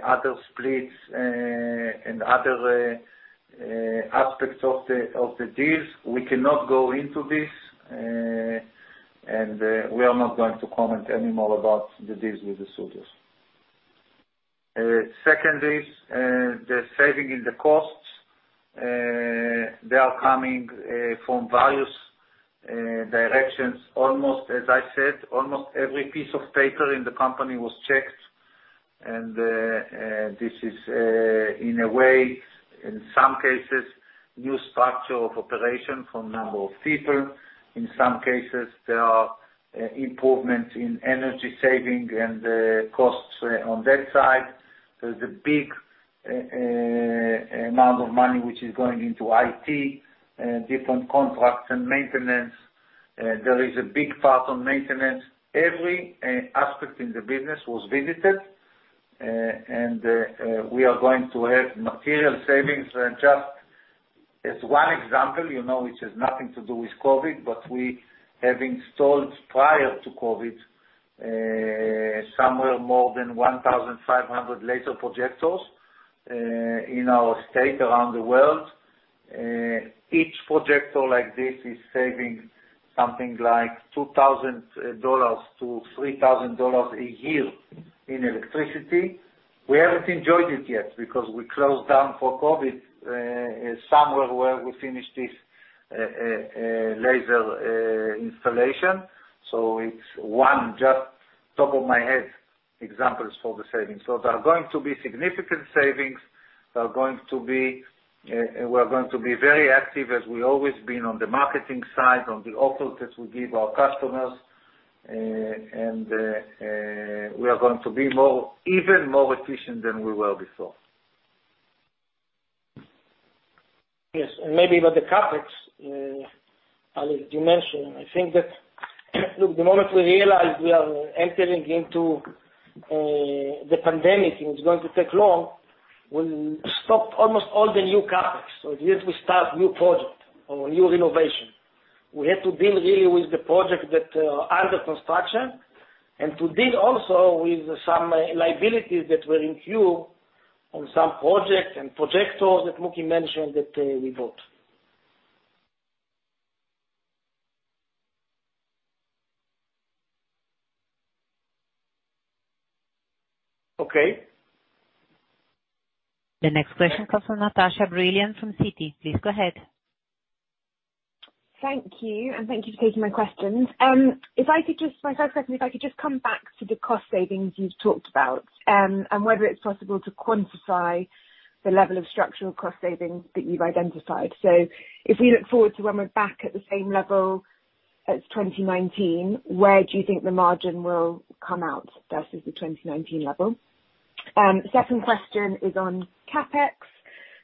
other splits, and other aspects of the deals. We cannot go into this, and we are not going to comment any more about the deals with the studios. Secondly, the saving in the costs, they are coming from various directions. As I said, almost every piece of paper in the company was checked, and this is, in a way, in some cases, new structure of operation from number of people. In some cases, there are improvements in energy saving and costs on that side. There's a big amount of money which is going into IT, different contracts and maintenance. There is a big part on maintenance. Every aspect in the business was visited, and we are going to have material savings. Just as one example, which has nothing to do with COVID, but we have installed prior to COVID, somewhere more than 1,500 laser projectors in our estate around the world. Each projector like this is saving something like $2,000-$3,000 a year in electricity. We haven't enjoyed it yet because we closed down for COVID somewhere where we finished this laser installation. It's one just top of my head examples for the savings. There are going to be significant savings, and we are going to be very active as we always been on the marketing side, on the offers that we give our customers, and we are going to be even more efficient than we were before. Yes. Maybe about the CapEx, Ali, you mentioned. I think that, look, the moment we realized we are entering into the pandemic and it's going to take long, we stopped almost all the new CapEx. We didn't start new project or new renovation. We had to deal really with the project that are under construction and to deal also with some liabilities that were in queue on some projects and projectors that Mooky mentioned that we bought. Okay. The next question comes from Natasha Brilliant from Citi. Please go ahead. Thank you. Thank you for taking my questions. If I could just, for five seconds, if I could just come back to the cost savings you've talked about, and whether it's possible to quantify the level of structural cost savings that you've identified. If we look forward to when we're back at the same level as 2019, where do you think the margin will come out versus the 2019 level? Second question is on CapEx.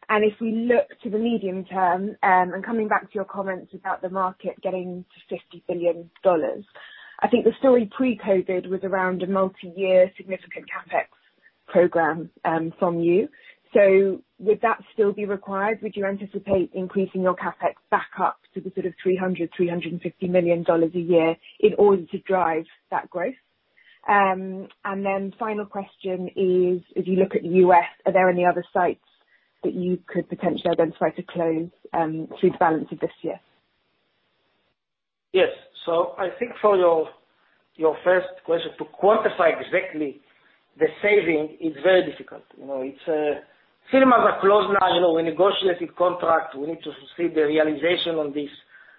If we look to the medium term, and coming back to your comments about the market getting to $50 billion, I think the story pre-COVID was around a multiyear significant CapEx program, from you. Would that still be required? Would you anticipate increasing your CapEx back up to the sort of $300 million-$350 million a year in order to drive that growth? Final question is, as you look at U.S., are there any other sites that you could potentially identify to close through the balance of this year? Yes. I think for your first question, to quantify exactly the saving is very difficult. Cinemas are closed now and we negotiated contract. We need to see the realization on this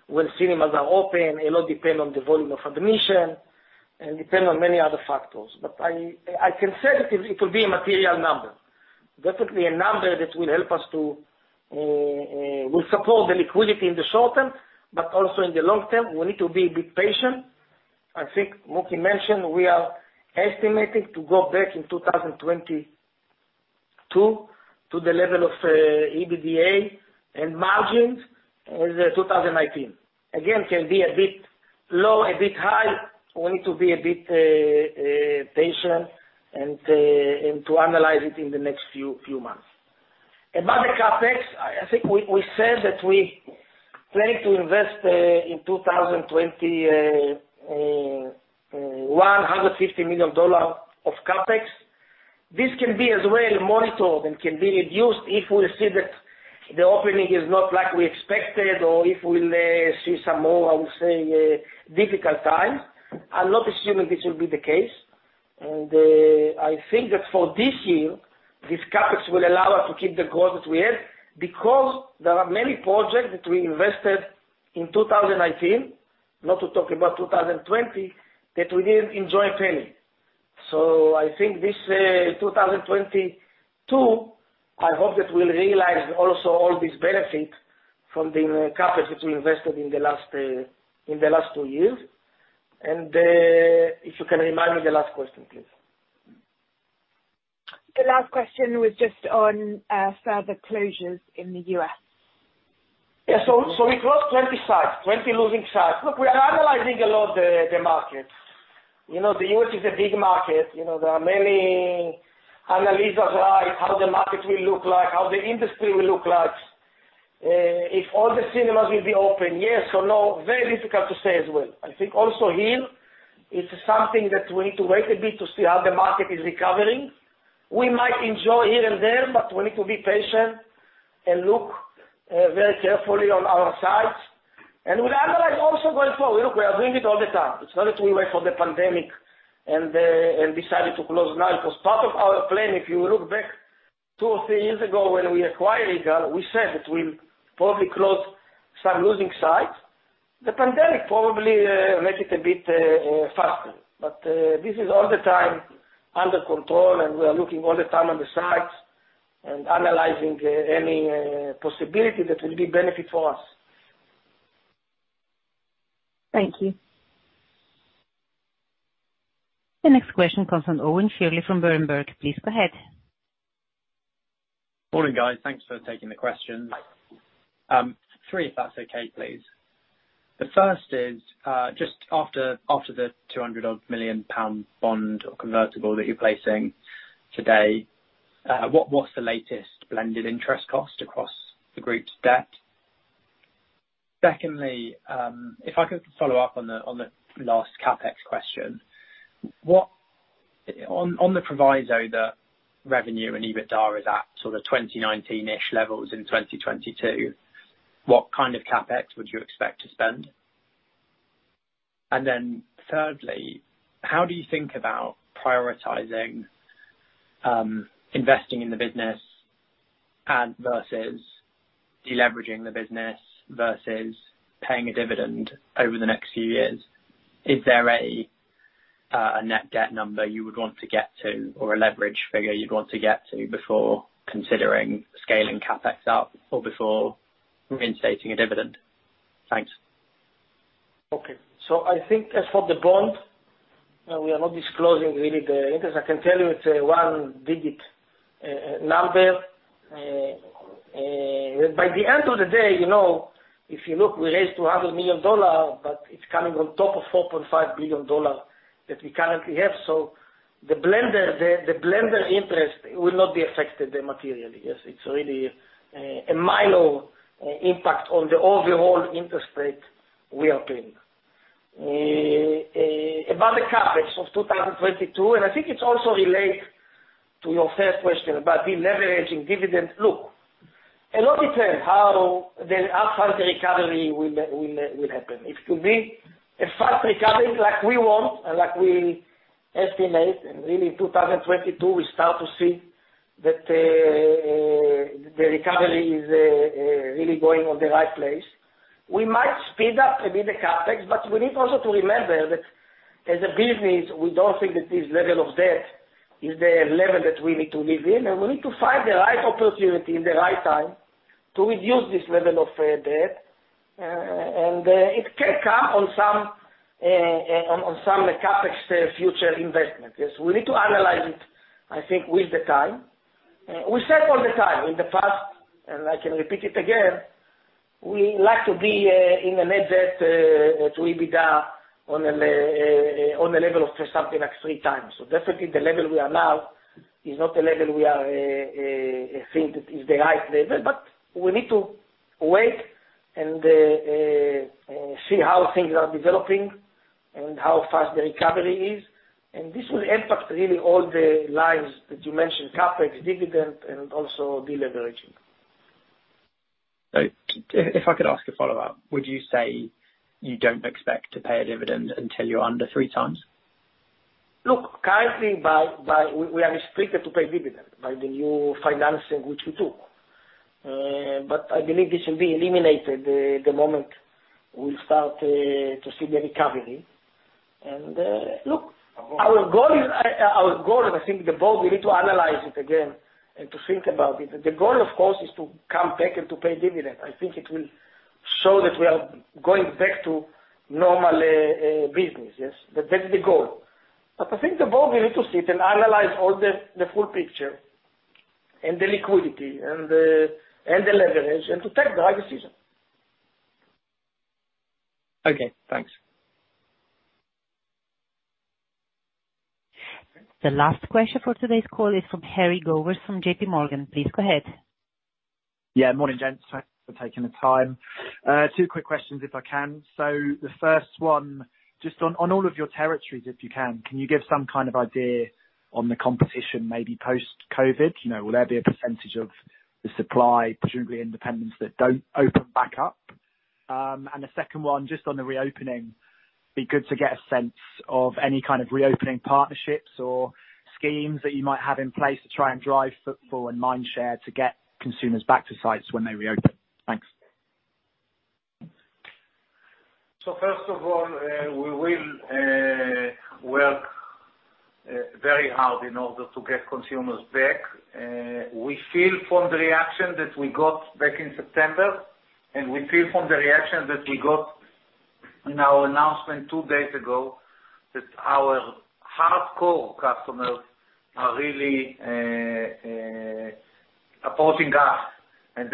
when cinemas are open. It'll depend on the volume of admission, and depend on many other factors. I can say that it will be a material number. Definitely a number that will support the liquidity in the short term, but also in the long term, we need to be a bit patient. I think Mooky mentioned we are estimating to go back in 2022 to the level of EBITDA and margins as at 2019. Again, can be a bit low, a bit high. We need to be a bit patient and to analyze it in the next few months. About the CapEx, I think we said that we plan to invest in 2020, $150 million of CapEx. This can be as well monitored and can be reduced if we see that the opening is not like we expected or if we will see some more, I would say, difficult times. I'm not assuming this will be the case. I think that for this year, this CapEx will allow us to keep the growth that we have because there are many projects that we invested in 2019, not to talk about 2020, that we didn't enjoy a penny. I think this 2022, I hope that we'll realize also all this benefit from the CapEx that we invested in the last two years. If you can remind me the last question, please. The last question was just on further closures in the U.S. Yeah. We closed 20 sites, 20 losing sites. Look, we are analyzing a lot the markets. The U.S. is a big market. There are many analyses, right? How the market will look like, how the industry will look like. If all the cinemas will be open, yes or no, very difficult to say as well. I think also here it's something that we need to wait a bit to see how the market is recovering. We might enjoy here and there, we need to be patient and look very carefully on our sites. We'll analyze also going forward. Look, we are doing it all the time. It's not that we wait for the pandemic and decided to close now. It was part of our plan. If you look back two or three years ago when we acquired Regal, we said that we'll probably close some losing sites. The pandemic probably make it a bit faster. This is all the time under control, and we are looking all the time on the sites and analyzing any possibility that will be benefit for us. Thank you. The next question comes from Owen Shirley from Berenberg. Please go ahead. Morning, guys. Thanks for taking the questions. Three, if that's okay, please. The first is, just after the $ 200 million odd bond or convertible that you're placing today, what's the latest blended interest cost across the group's debt? Secondly, if I could follow up on the last CapEx question. On the proviso that revenue and EBITDA is at sort of 2019-ish levels in 2022, what kind of CapEx would you expect to spend? Thirdly, how do you think about prioritizing investing in the business and versus de-leveraging the business versus paying a dividend over the next few years? Is there a net debt number you would want to get to or a leverage figure you'd want to get to before considering scaling CapEx up or before reinstating a dividend? Thanks. Okay. I think as for the bond, we are not disclosing really the interest. I can tell you it's a one-digit number. By the end of the day, if you look, we raised $200 million, but it's coming on top of $4.5 billion that we currently have so the blended interest will not be affected materially. Yes, it's really a minor impact on the overall interest rate we are paying. About the CapEx of 2022, and I think it's also related to your first question about deleveraging dividend. Look, a lot depends how the recovery will happen. It could be a fast recovery like we want and like we estimate, and really 2022, we start to see that the recovery is really going on the right place. We might speed up a bit the CapEx, we need also to remember that as a business, we don't think that this level of debt is the level that we need to live in, and we need to find the right opportunity and the right time to reduce this level of debt and it can come on some CapEx future investment. Yes, we need to analyze it, I think, with the time. We said all the time in the past, I can repeat it again, we like to be in a net debt to EBITDA on the level of something like three times. Definitely the level we are now is not the level we think is the right level but we need to wait and see how things are developing and how fast the recovery is, and this will impact really all the lines that you mentioned, CapEx, dividend, and also deleveraging. If I could ask a follow-up. Would you say you don't expect to pay a dividend until you're under 3x? Look, currently, we are restricted to pay dividend by the new financing which we took. I believe this will be eliminated the moment we start to see the recovery. Look, our goal and I think the board, we need to analyze it again and to think about it. The goal, of course, is to come back and to pay dividend. I think it will show that we are going back to normal business. Yes? That's the goal. I think the board will need to sit and analyze all the full picture and the liquidity and the leverage, and to take the right decision. Okay, thanks. The last question for today's call is from Harry Gowers from JPMorgan. Please go ahead. Yeah, morning, gents. Thanks for taking the time. Two quick questions, if I can. The first one, just on all of your territories, if you can you give some kind of idea on the competition, maybe post-COVID? Will there be a percentage of the supply, presumably independents, that don't open back up? The second one, just on the reopening, it'd be good to get a sense of any kind of reopening partnerships or schemes that you might have in place to try and drive footfall and mindshare to get consumers back to sites when they reopen. Thanks. First of all, we will work very hard in order to get consumers back. We feel from the reaction that we got back in September, and we feel from the reaction that we got in our announcement two days ago, that our hardcore customers are really approaching us.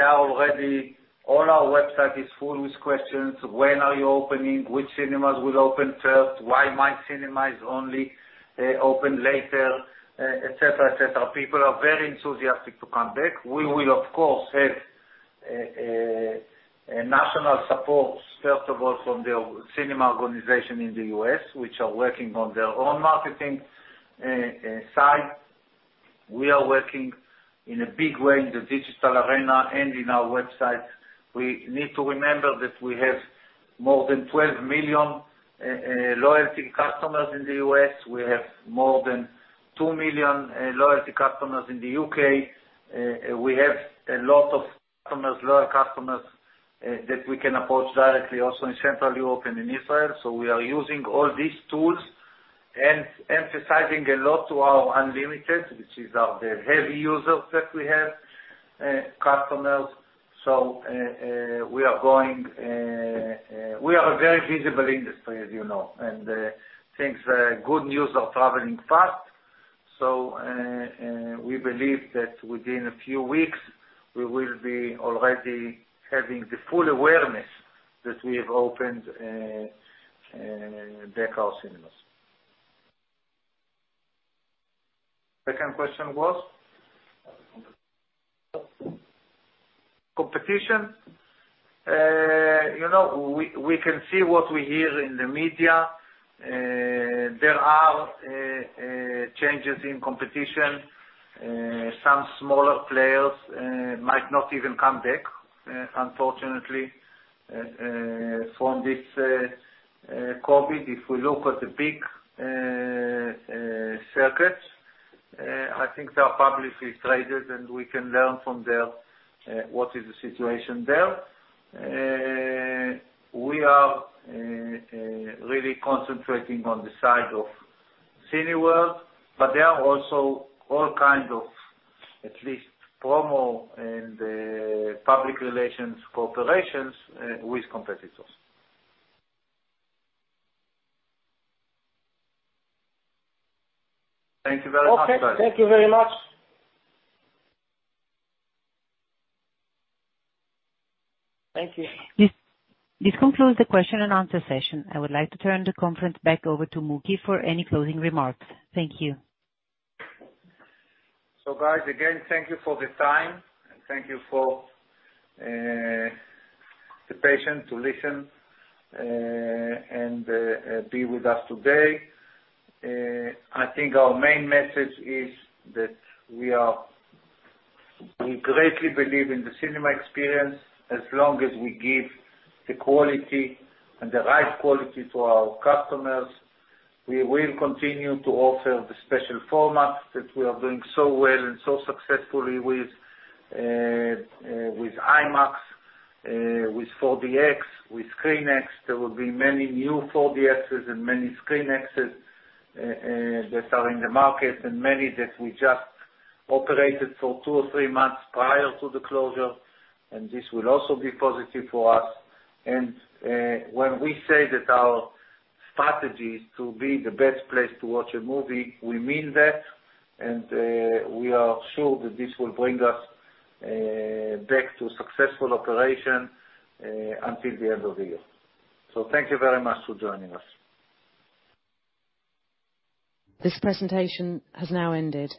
Already, all our website is full with questions. When are you opening? Which cinemas will open first? Why my cinema is only open later, etc.? People are very enthusiastic to come back. We will, of course, have national supports, first of all, from the cinema organization in the U.S., which are working on their own marketing side. We are working in a big way in the digital arena and in our website. We need to remember that we have more than 12 million loyalty customers in the U.S. We have more than two million loyalty customers in the U.K. We have a lot of customers, loyal customers, that we can approach directly also in Central Europe and in Israel. We are using all these tools and emphasizing a lot to our Unlimited, which is the heavy users that we have, customers. We are very visible industry, as you know, and good news are traveling fast. We believe that within a few weeks, we will be already having the full awareness that we have opened back our cinemas. Second question was? Competition. We can see what we hear in the media. There are changes in competition. Some smaller players might not even come back, unfortunately, from this COVID. If we look at the big circuits, I think they are publicly traded, and we can learn from what is the situation there. We are really concentrating on the side of Cineworld, but there are also all kinds of at least promo and public relations cooperations with competitors. Thank you very much, guys. Okay. Thank you very much. Thank you. This concludes the question-and-answer session. I would like to turn the conference back over to Mooky for any closing remarks. Thank you. Guys, again, thank you for the time, and thank you for the patience to listen and be with us today. I think our main message is that we greatly believe in the cinema experience. As long as we give the quality and the right quality to our customers, we will continue to offer the special formats that we are doing so well and so successfully with, IMAX, with 4DX, with ScreenX. There will be many new 4DXs and many ScreenXs that are in the market, and many that we just operated for two or three months prior to the closure, and this will also be positive for us. When we say that our strategy is to be the best place to watch a movie, we mean that, and we are sure that this will bring us back to successful operation until the end of the year. Thank you very much for joining us. This presentation has now ended.